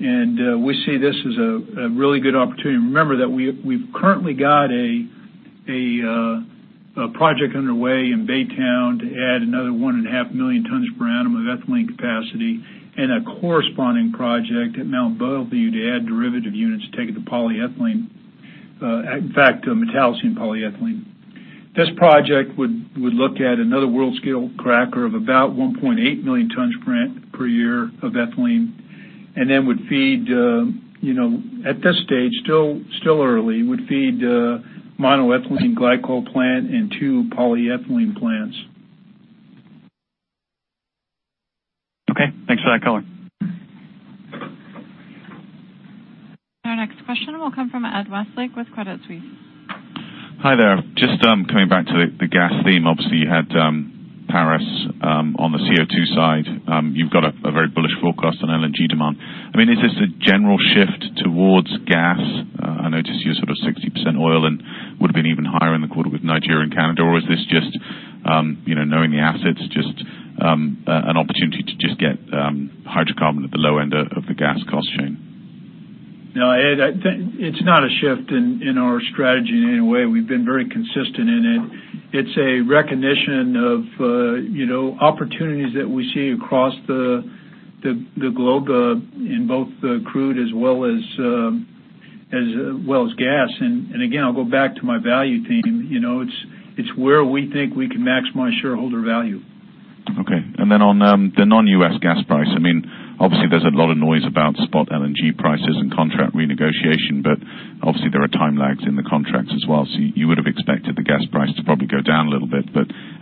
and we see this as a really good opportunity. Remember that we've currently got a project underway in Baytown to add another 1.5 million tons per annum of ethylene capacity and a corresponding project at Mont Belvieu to add derivative units to take it to polyethylene. In fact, metallocene polyethylene. This project would look at another world-scale cracker of about 1.8 million tons per year of ethylene, then would feed, at this stage, still early, would feed a monoethylene glycol plant and two polyethylene plants. Okay. Thanks for that color. Our next question will come from Ed Westlake with Credit Suisse. Hi there. Just coming back to the gas theme. Obviously, you had Paris on the CO2 side. You've got a very bullish forecast on LNG demand. Is this a general shift towards gas? I notice you're 60% oil and would've been even higher in the quarter with Nigeria and Canada, or is this just, knowing the assets, just an opportunity to just get hydrocarbon at the low end of the gas cost chain? No, Ed, it's not a shift in our strategy in any way. We've been very consistent in it. It's a recognition of opportunities that we see across the globe in both crude as well as gas. Again, I'll go back to my value theme. It's where we think we can maximize shareholder value. Okay. On the non-U.S. gas price, obviously there's a lot of noise about spot LNG prices and contract renegotiation, but obviously there are time lags in the contracts as well. You would've expected the gas price to probably go down a little bit.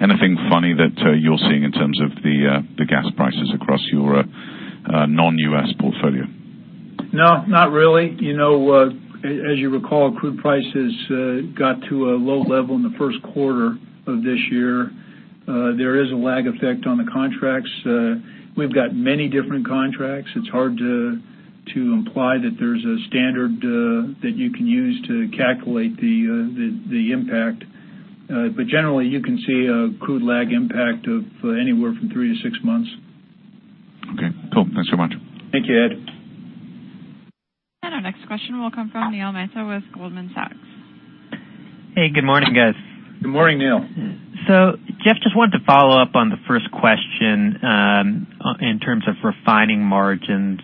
Anything funny that you're seeing in terms of the gas prices across your non-U.S. portfolio? No, not really. As you recall, crude prices got to a low level in the first quarter of this year. There is a lag effect on the contracts. We've got many different contracts. It's hard to imply that there's a standard that you can use to calculate the impact. Generally, you can see a crude lag impact of anywhere from three to six months. Okay, cool. Thanks so much. Thank you, Ed. Our next question will come from Neil Mehta with Goldman Sachs. Hey, good morning, guys. Good morning, Neil. Jeff, just wanted to follow up on the first question in terms of refining margins.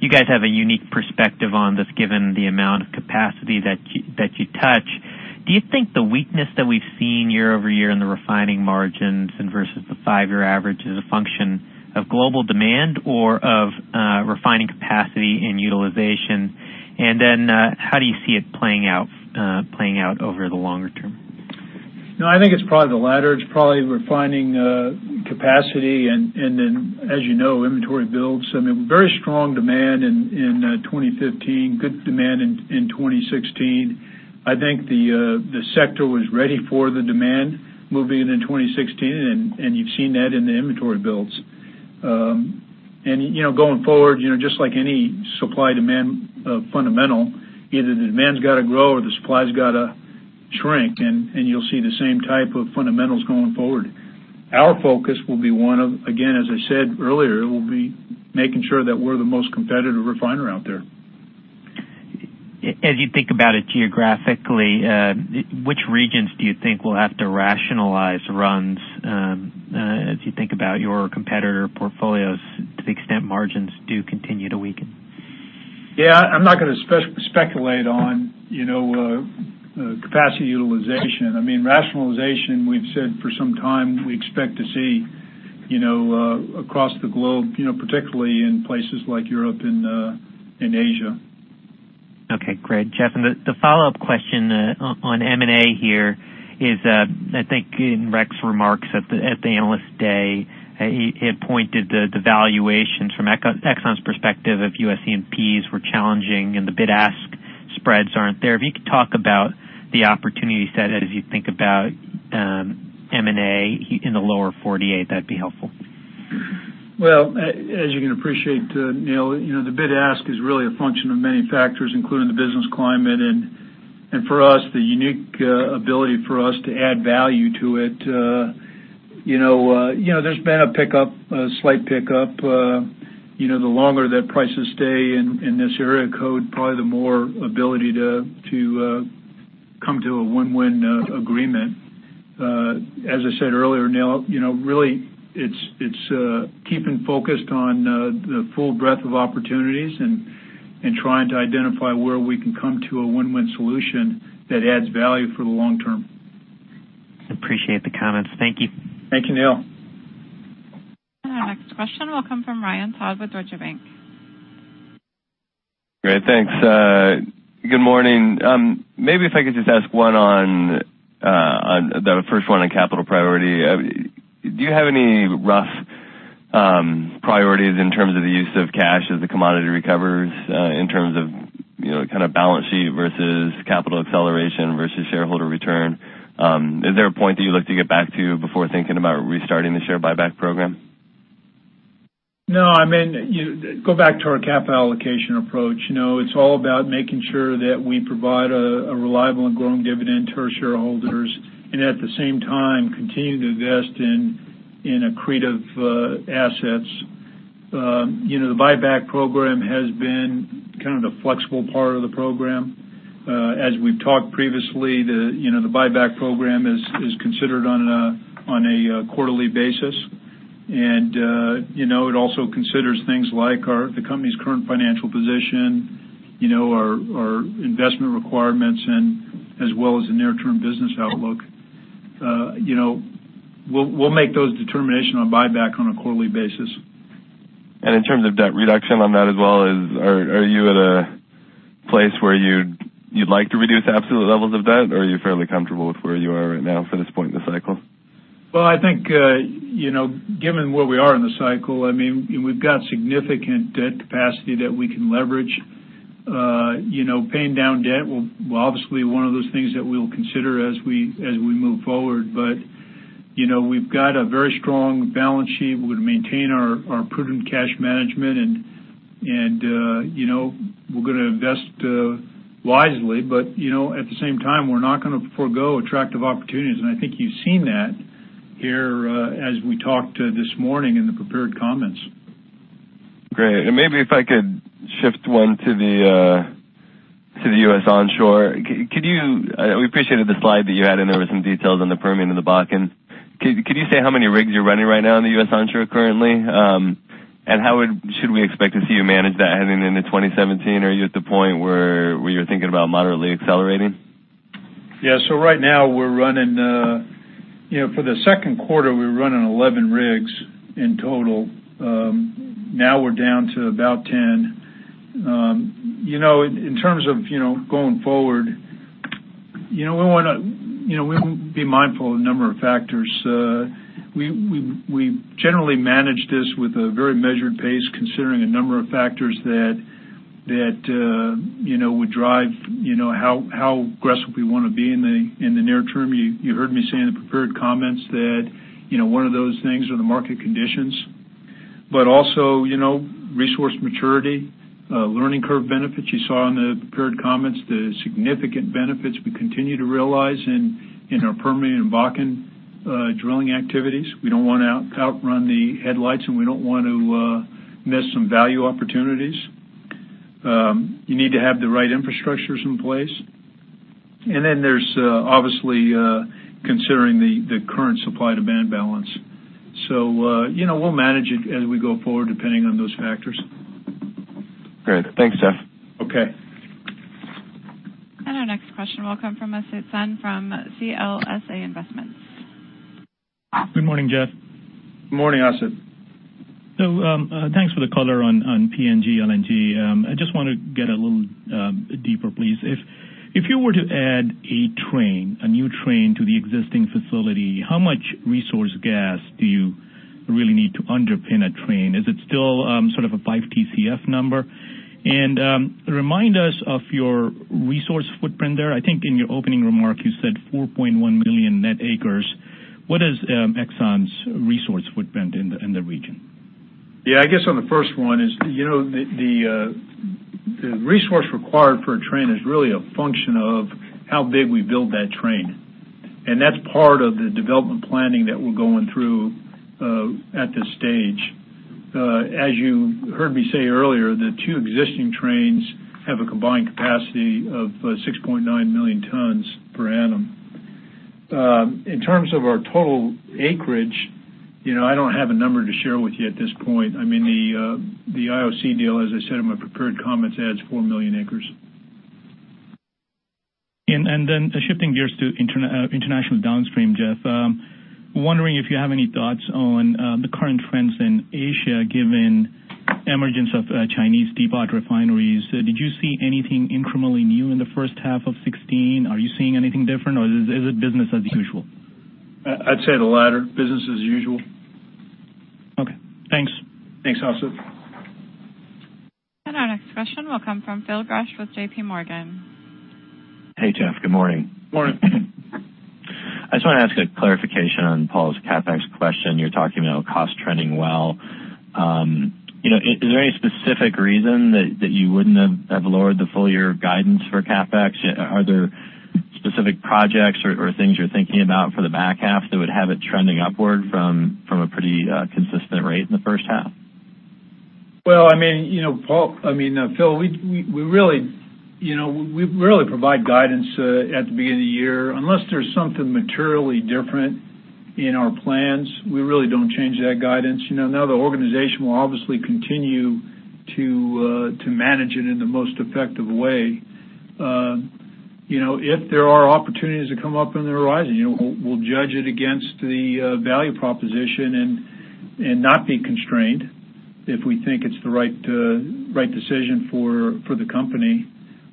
You guys have a unique perspective on this given the amount of capacity that you touch. Do you think the weakness that we've seen year-over-year in the refining margins and versus the five-year average is a function of global demand or of refining capacity and utilization? How do you see it playing out over the longer term? No, I think it's probably the latter. It's probably refining capacity. As you know, inventory builds. Very strong demand in 2015, good demand in 2016. I think the sector was ready for the demand moving into 2016, and you've seen that in the inventory builds. Going forward, just like any supply-demand fundamental, either the demand's got to grow or the supply's got to shrink, and you'll see the same type of fundamentals going forward. Our focus will be one of, again, as I said earlier, it will be making sure that we're the most competitive refiner out there. As you think about it geographically, which regions do you think will have to rationalize runs as you think about your competitor portfolios to the extent margins do continue to weaken? Yeah, I'm not going to speculate on capacity utilization. Rationalization, we've said for some time, we expect to see across the globe, particularly in places like Europe and Asia. Okay, great. Jeff, the follow-up question on M&A here is, I think in Rex's remarks at the Analyst Day, he had pointed the valuations from Exxon's perspective of U.S. E&Ps were challenging and the bid-ask spreads aren't there. If you could talk about the opportunity set as you think about M&A in the lower 48, that'd be helpful. Well, as you can appreciate, Neil, the bid-ask is really a function of many factors, including the business climate, and for us, the unique ability for us to add value to it. There's been a slight pickup. The longer that prices stay in this area code, probably the more ability to come to a win-win agreement. As I said earlier, Neil, really, it's keeping focused on the full breadth of opportunities and trying to identify where we can come to a win-win solution that adds value for the long term. Appreciate the comments. Thank you. Thank you, Neil. Our next question will come from Ryan Todd with Deutsche Bank. Great. Thanks. Good morning. Maybe if I could just ask the first one on capital priority. Do you have any rough priorities in terms of the use of cash as the commodity recovers in terms of kind of balance sheet versus capital acceleration versus shareholder return? Is there a point that you look to get back to before thinking about restarting the share buyback program? No, go back to our capital allocation approach. It's all about making sure that we provide a reliable and growing dividend to our shareholders, and at the same time, continue to invest in accretive assets. The buyback program has been kind of the flexible part of the program. As we've talked previously, the buyback program is considered on a quarterly basis, and it also considers things like the company's current financial position, our investment requirements, and as well as the near-term business outlook. We'll make those determination on buyback on a quarterly basis. In terms of debt reduction on that as well, are you at a place where you'd like to reduce absolute levels of debt, or are you fairly comfortable with where you are right now for this point in the cycle? I think given where we are in the cycle, we've got significant debt capacity that we can leverage. Paying down debt will obviously be one of those things that we'll consider as we move forward. We've got a very strong balance sheet. We're going to maintain our prudent cash management, and we're going to invest wisely. At the same time, we're not going to forego attractive opportunities, and I think you've seen that here as we talked this morning in the prepared comments. Great. Maybe if I could shift one to the U.S. onshore. We appreciated the slide that you had, and there were some details on the Permian and the Bakken. Could you say how many rigs you're running right now in the U.S. onshore currently? How should we expect to see you manage that heading into 2017? Are you at the point where you're thinking about moderately accelerating? Right now, for the second quarter, we're running 11 rigs in total. Now we're down to about 10. In terms of going forward, we want to be mindful of the number of factors. We generally manage this with a very measured pace, considering a number of factors that would drive how aggressive we want to be in the near term. You heard me say in the prepared comments that one of those things are the market conditions, but also resource maturity, learning curve benefits. You saw in the prepared comments the significant benefits we continue to realize in our Permian and Bakken drilling activities. We don't want to outrun the headlights, and we don't want to miss some value opportunities. You need to have the right infrastructures in place. There's obviously considering the current supply-to-demand balance. We'll manage it as we go forward, depending on those factors. Great. Thanks, Jeff. Okay. Our next question will come from Asit Sen from CLSA Investments. Good morning, Jeff. Good morning, Asit. Thanks for the color on PNG LNG. I just want to get a little deeper, please. If you were to add a new train to the existing facility, how much resource gas do you really need to underpin a train? Is it still sort of a five TCF number? Remind us of your resource footprint there. I think in your opening remark, you said 4.1 million net acres. What is Exxon's resource footprint in the region? Yeah, I guess on the first one is the resource required for a train is really a function of how big we build that train. That's part of the development planning that we're going through at this stage. As you heard me say earlier, the two existing trains have a combined capacity of 6.9 million tons per annum. In terms of our total acreage, I don't have a number to share with you at this point. I mean, the IOC deal, as I said in my prepared comments, adds four million acres. Shifting gears to international downstream, Jeff, wondering if you have any thoughts on the current trends in Asia given the emergence of Chinese teapot refineries. Did you see anything incrementally new in the first half of 2016? Are you seeing anything different, or is it business as usual? I'd say the latter, business as usual. Okay, thanks. Thanks, Asit. Our next question will come from Phil Gresh with J.P. Morgan. Hey, Jeff. Good morning. Morning. I just want to ask a clarification on Paul's CapEx question. You're talking about cost trending well. Is there any specific reason that you wouldn't have lowered the full year guidance for CapEx? Are there specific projects or things you're thinking about for the back half that would have it trending upward from a pretty consistent rate in the first half? Well, Phil, we really provide guidance at the beginning of the year. Unless there's something materially different in our plans, we really don't change that guidance. The organization will obviously continue to manage it in the most effective way. If there are opportunities that come up on the horizon, we'll judge it against the value proposition and not be constrained if we think it's the right decision for the company.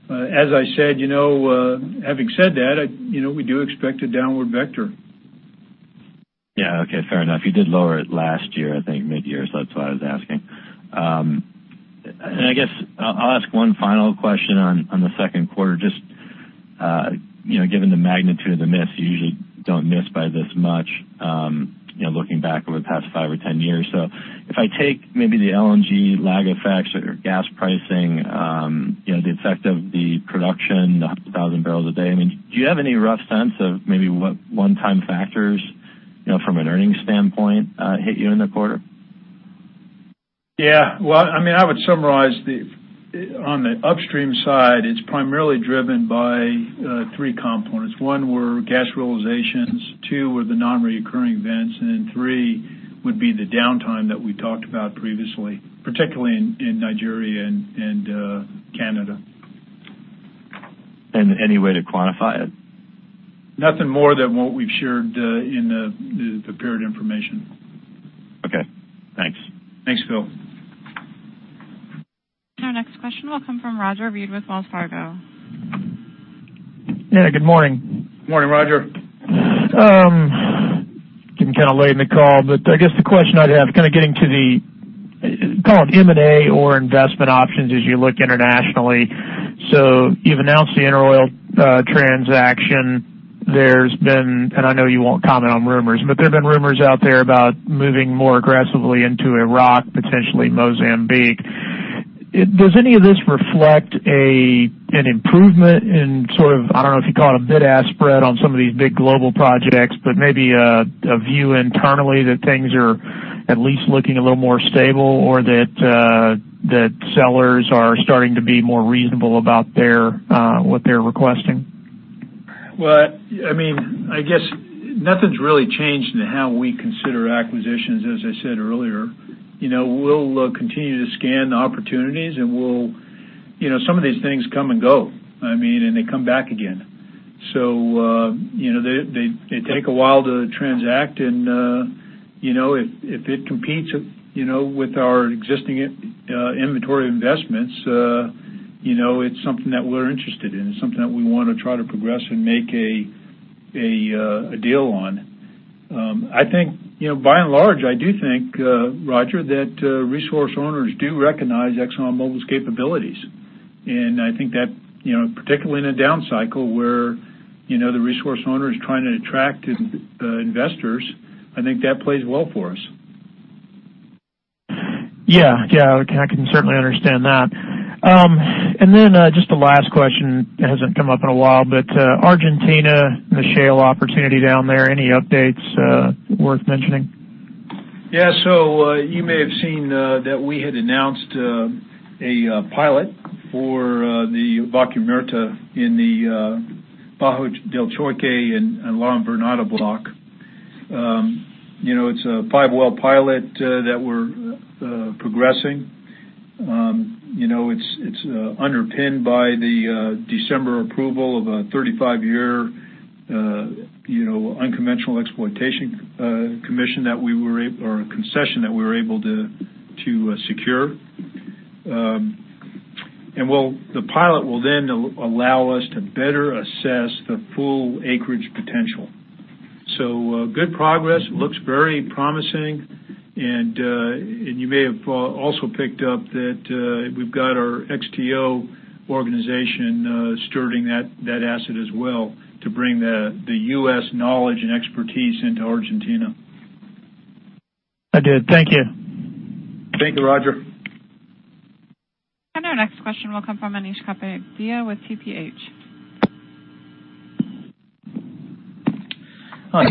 As I said, having said that we do expect a downward vector. Yeah. Okay. Fair enough. You did lower it last year, I think mid-year. That's why I was asking. I guess I'll ask one final question on the second quarter, just given the magnitude of the miss, you usually don't miss by this much looking back over the past five or 10 years. If I take maybe the LNG lag effects or gas pricing, the effect of the production, the 100,000 barrels a day, do you have any rough sense of maybe what one-time factors from an earnings standpoint hit you in the quarter? Yeah. Well, I would summarize, on the upstream side, it's primarily driven by 3 components. One were gas realizations, two were the non-recurring events, three would be the downtime that we talked about previously, particularly in Nigeria and Canada. Any way to quantify it? Nothing more than what we've shared in the prepared information. Okay, thanks. Thanks, Phil. Our next question will come from Roger Read with Wells Fargo. Yeah. Good morning. Morning, Roger. Getting kind of late in the call, I guess the question I'd have, kind of getting to the, call it M&A or investment options as you look internationally. You've announced the InterOil transaction. There's been, and I know you won't comment on rumors, but there's been rumors out there about moving more aggressively into Iraq, potentially Mozambique. Does any of this reflect an improvement in sort of, I don't know if you'd call it a bid-ask spread on some of these big global projects, but maybe a view internally that things are at least looking a little more stable or that sellers are starting to be more reasonable about what they're requesting? Well, I guess nothing's really changed in how we consider acquisitions, as I said earlier. We'll continue to scan the opportunities and some of these things come and go, and they come back again. They take a while to transact and if it competes with our existing inventory investments it's something that we're interested in. It's something that we want to try to progress and make a deal on. By and large, I do think, Roger, that resource owners do recognize ExxonMobil's capabilities, and I think that particularly in a down cycle where the resource owner is trying to attract investors, I think that plays well for us. Yeah. I can certainly understand that. Just the last question that hasn't come up in a while, but Argentina, the shale opportunity down there, any updates worth mentioning? Yeah. You may have seen that we had announced a pilot for the Vaca Muerta in the Bajo del Choique and La Invernada block. It's a five-well pilot that we're progressing. It's underpinned by the December approval of a 35-year unconventional exploitation concession that we were able to secure. The pilot will then allow us to better assess the full acreage potential. Good progress. Looks very promising, and you may have also picked up that we've got our XTO organization stewarding that asset as well to bring the U.S. knowledge and expertise into Argentina. I did. Thank you. Thank you, Roger. Our next question will come from Anish Kapadia with TPH. Hi.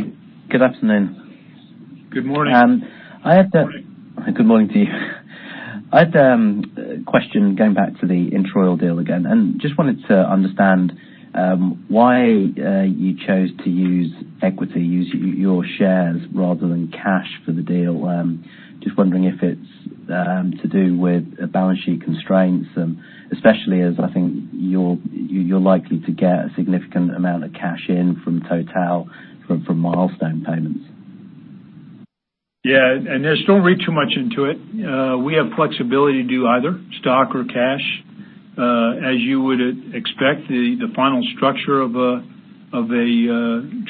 Good afternoon. Good morning. Good morning to you. I had a question going back to the InterOil deal again, just wanted to understand why you chose to use equity, use your shares rather than cash for the deal. Just wondering if it's to do with balance sheet constraints, especially as I think you're likely to get a significant amount of cash in from Total, from milestone payments. Yeah. Just don't read too much into it. We have flexibility to do either stock or cash. As you would expect, the final structure of a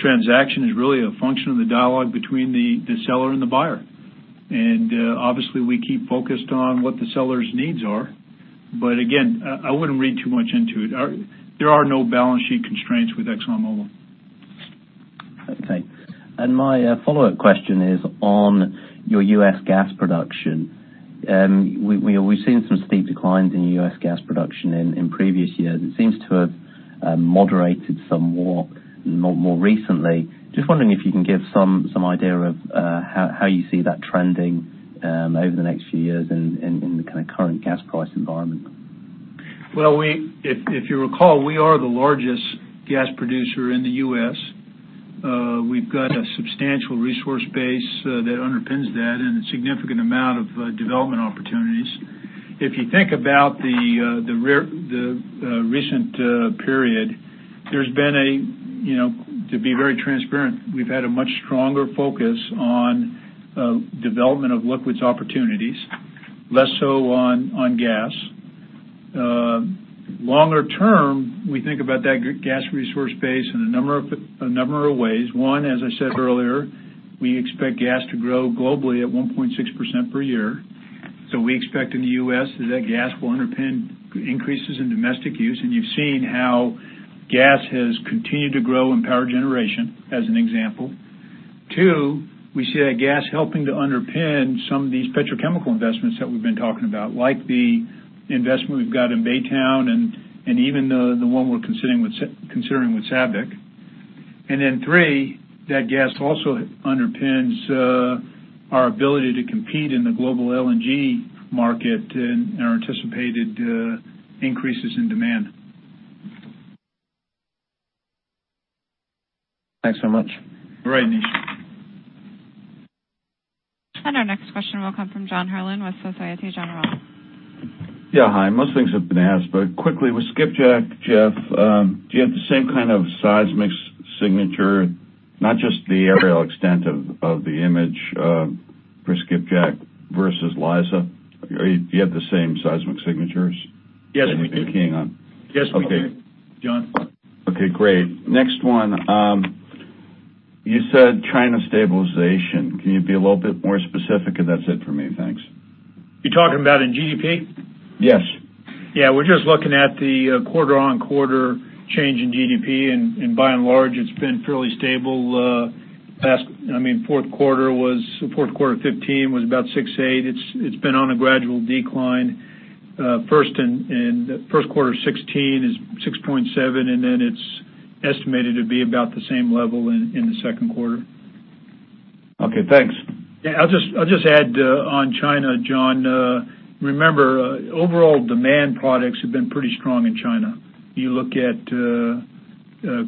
transaction is really a function of the dialogue between the seller and the buyer. Obviously, we keep focused on what the seller's needs are. Again, I wouldn't read too much into it. There are no balance sheet constraints with ExxonMobil. Okay. My follow-up question is on your U.S. gas production. We've seen some steep declines in U.S. gas production in previous years. It seems to have moderated some more, more recently. Just wondering if you can give some idea of how you see that trending over the next few years in the kind of current gas price environment. Well, if you recall, we are the largest gas producer in the U.S. We've got a substantial resource base that underpins that and a significant amount of development opportunities. If you think about the recent period, to be very transparent, we've had a much stronger focus on development of liquids opportunities, less so on gas. Longer term, we think about that gas resource base in a number of ways. One, as I said earlier, we expect gas to grow globally at 1.6% per year. We expect in the U.S. that that gas will underpin increases in domestic use, and you've seen how gas has continued to grow in power generation as an example. Two, we see that gas helping to underpin some of these petrochemical investments that we've been talking about, like the investment we've got in Baytown and even the one we're considering with SABIC. Three, that gas also underpins our ability to compete in the global LNG market and our anticipated increases in demand. Thanks so much. All right, Nishit. Our next question will come from John Herrlin with Societe Generale. Yeah, hi. Most things have been asked, but quickly with Skipjack, Jeff, do you have the same kind of seismic signature, not just the aerial extent of the image for Skipjack versus Liza? Do you have the same seismic signatures? Yes, we do. Okay. John. Okay, great. Next one. You said China stabilization. Can you be a little bit more specific? That's it for me. Thanks. You're talking about in GDP? Yes. Yeah. We're just looking at the quarter-on-quarter change in GDP, and by and large, it's been fairly stable. Fourth quarter 2015 was about 6.8. It's been on a gradual decline. First quarter 2016 is 6.7, and then it's estimated to be about the same level in the second quarter. Okay, thanks. Yeah, I'll just add on China, John. Remember, overall demand products have been pretty strong in China. You look at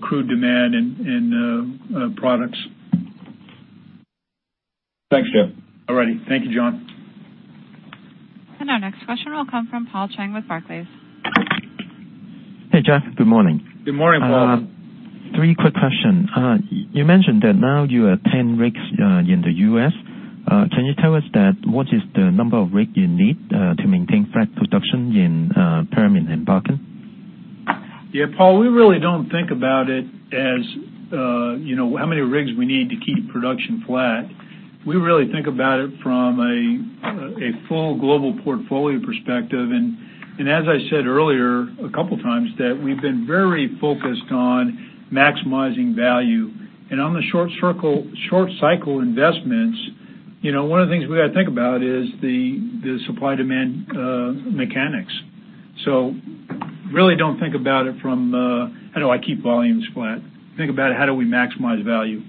crude demand and products. Thanks, Jeff. All righty. Thank you, John. Our next question will come from Paul Cheng with Barclays. Hey, Jeff. Good morning. Good morning, Paul. Three quick question. You mentioned that now you have 10 rigs in the U.S. Can you tell us what is the number of rig you need to maintain flat production in Permian and Bakken? Yeah, Paul, we really don't think about it as how many rigs we need to keep production flat. We really think about it from a full global portfolio perspective, as I said earlier a couple times, that we've been very focused on maximizing value. On the short cycle investments, one of the things we got to think about is the supply-demand mechanics. Really don't think about it from a how do I keep volumes flat? Think about it, how do we maximize value?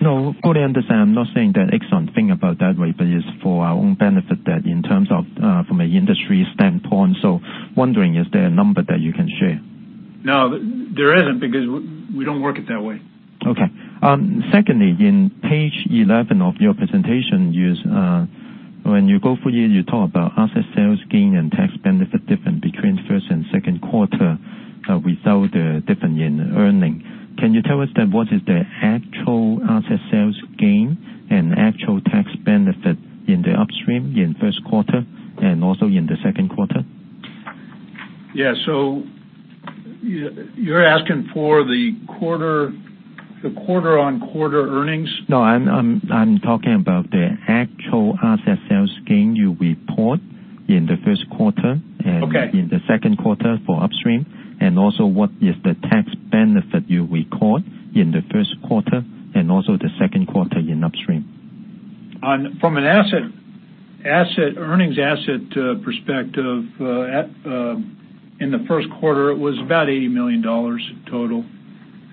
No, fully understand. I'm not saying that Exxon think about that way, it's for our own benefit that in terms of from an industry standpoint. Wondering, is there a number that you can share? No, there isn't because we don't work it that way. Okay. Secondly, in page 11 of your presentation, when you go through here, you talk about asset sales gain and tax benefit different between first and second quarter without a different in earning. Can you tell us that what is the actual asset sales gain and actual tax benefit in the upstream in first quarter and also in the second quarter? Yeah. you're asking for the quarter-on-quarter earnings? No, I'm talking about the actual asset sales gain you report in the first quarter. Okay in the second quarter for upstream, what is the tax benefit you record in the first quarter and also the second quarter in upstream? From an asset earnings, asset perspective in the first quarter, it was about $80 million total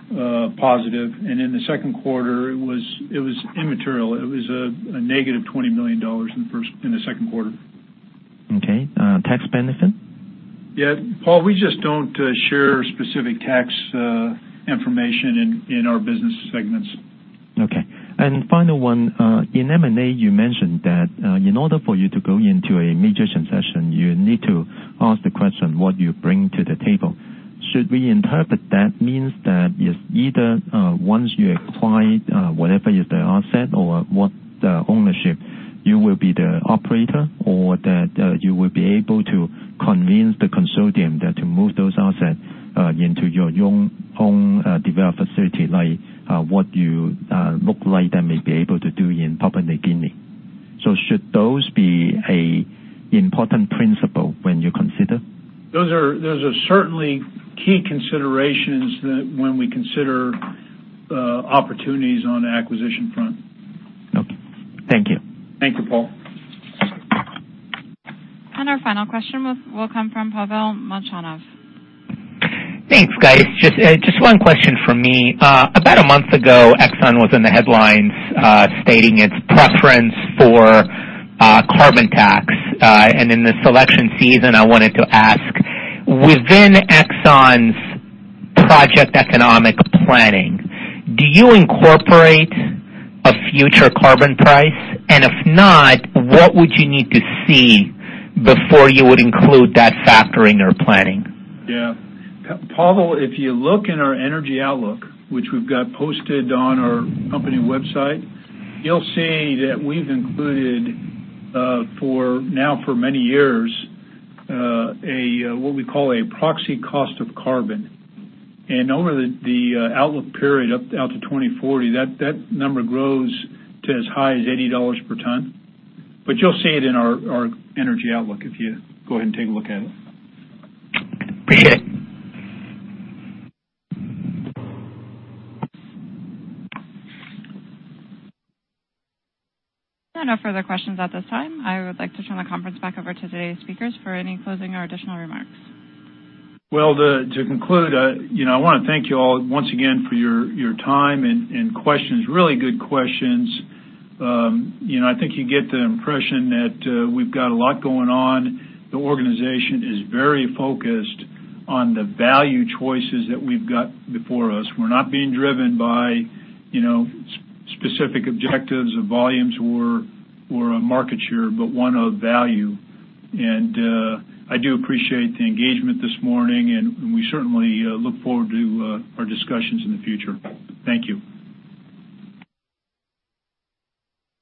positive. In the second quarter it was immaterial. It was a negative $20 million in the second quarter. Okay. Tax benefit? Yeah, Paul, we just don't share specific tax information in our business segments. Okay. Final one. In M&A, you mentioned that in order for you to go into a major concession, you need to ask the question, what do you bring to the table? Should we interpret that means that it's either once you acquired whatever is the asset or what the ownership, you will be the operator or that you will be able to convince the consortium that to move those assets into your own developed facility, like what you look like that may be able to do in Papua New Guinea. Should those be an important principle when you consider? Those are certainly key considerations that when we consider opportunities on the acquisition front. Okay. Thank you. Thank you, Paul. Our final question will come from Pavel Molchanov. Thanks, guys. Just one question from me. About a month ago, Exxon was in the headlines stating its preference for carbon tax. In the selection season, I wanted to ask, within Exxon's project economic planning, do you incorporate a future carbon price? If not, what would you need to see before you would include that factor in your planning? Yeah. Pavel, if you look in our energy outlook, which we've got posted on our company website, you'll see that we've included for now, for many years, what we call a proxy cost of carbon. Over the outlook period up out to 2040, that number grows to as high as $80 per ton. You'll see it in our energy outlook if you go ahead and take a look at it. [Be it]. There are no further questions at this time. I would like to turn the conference back over to today's speakers for any closing or additional remarks. Well, to conclude, I want to thank you all once again for your time and questions. Really good questions. I think you get the impression that we've got a lot going on. The organization is very focused on the value choices that we've got before us. We're not being driven by specific objectives of volumes or market share, but one of value. I do appreciate the engagement this morning, and we certainly look forward to our discussions in the future. Thank you.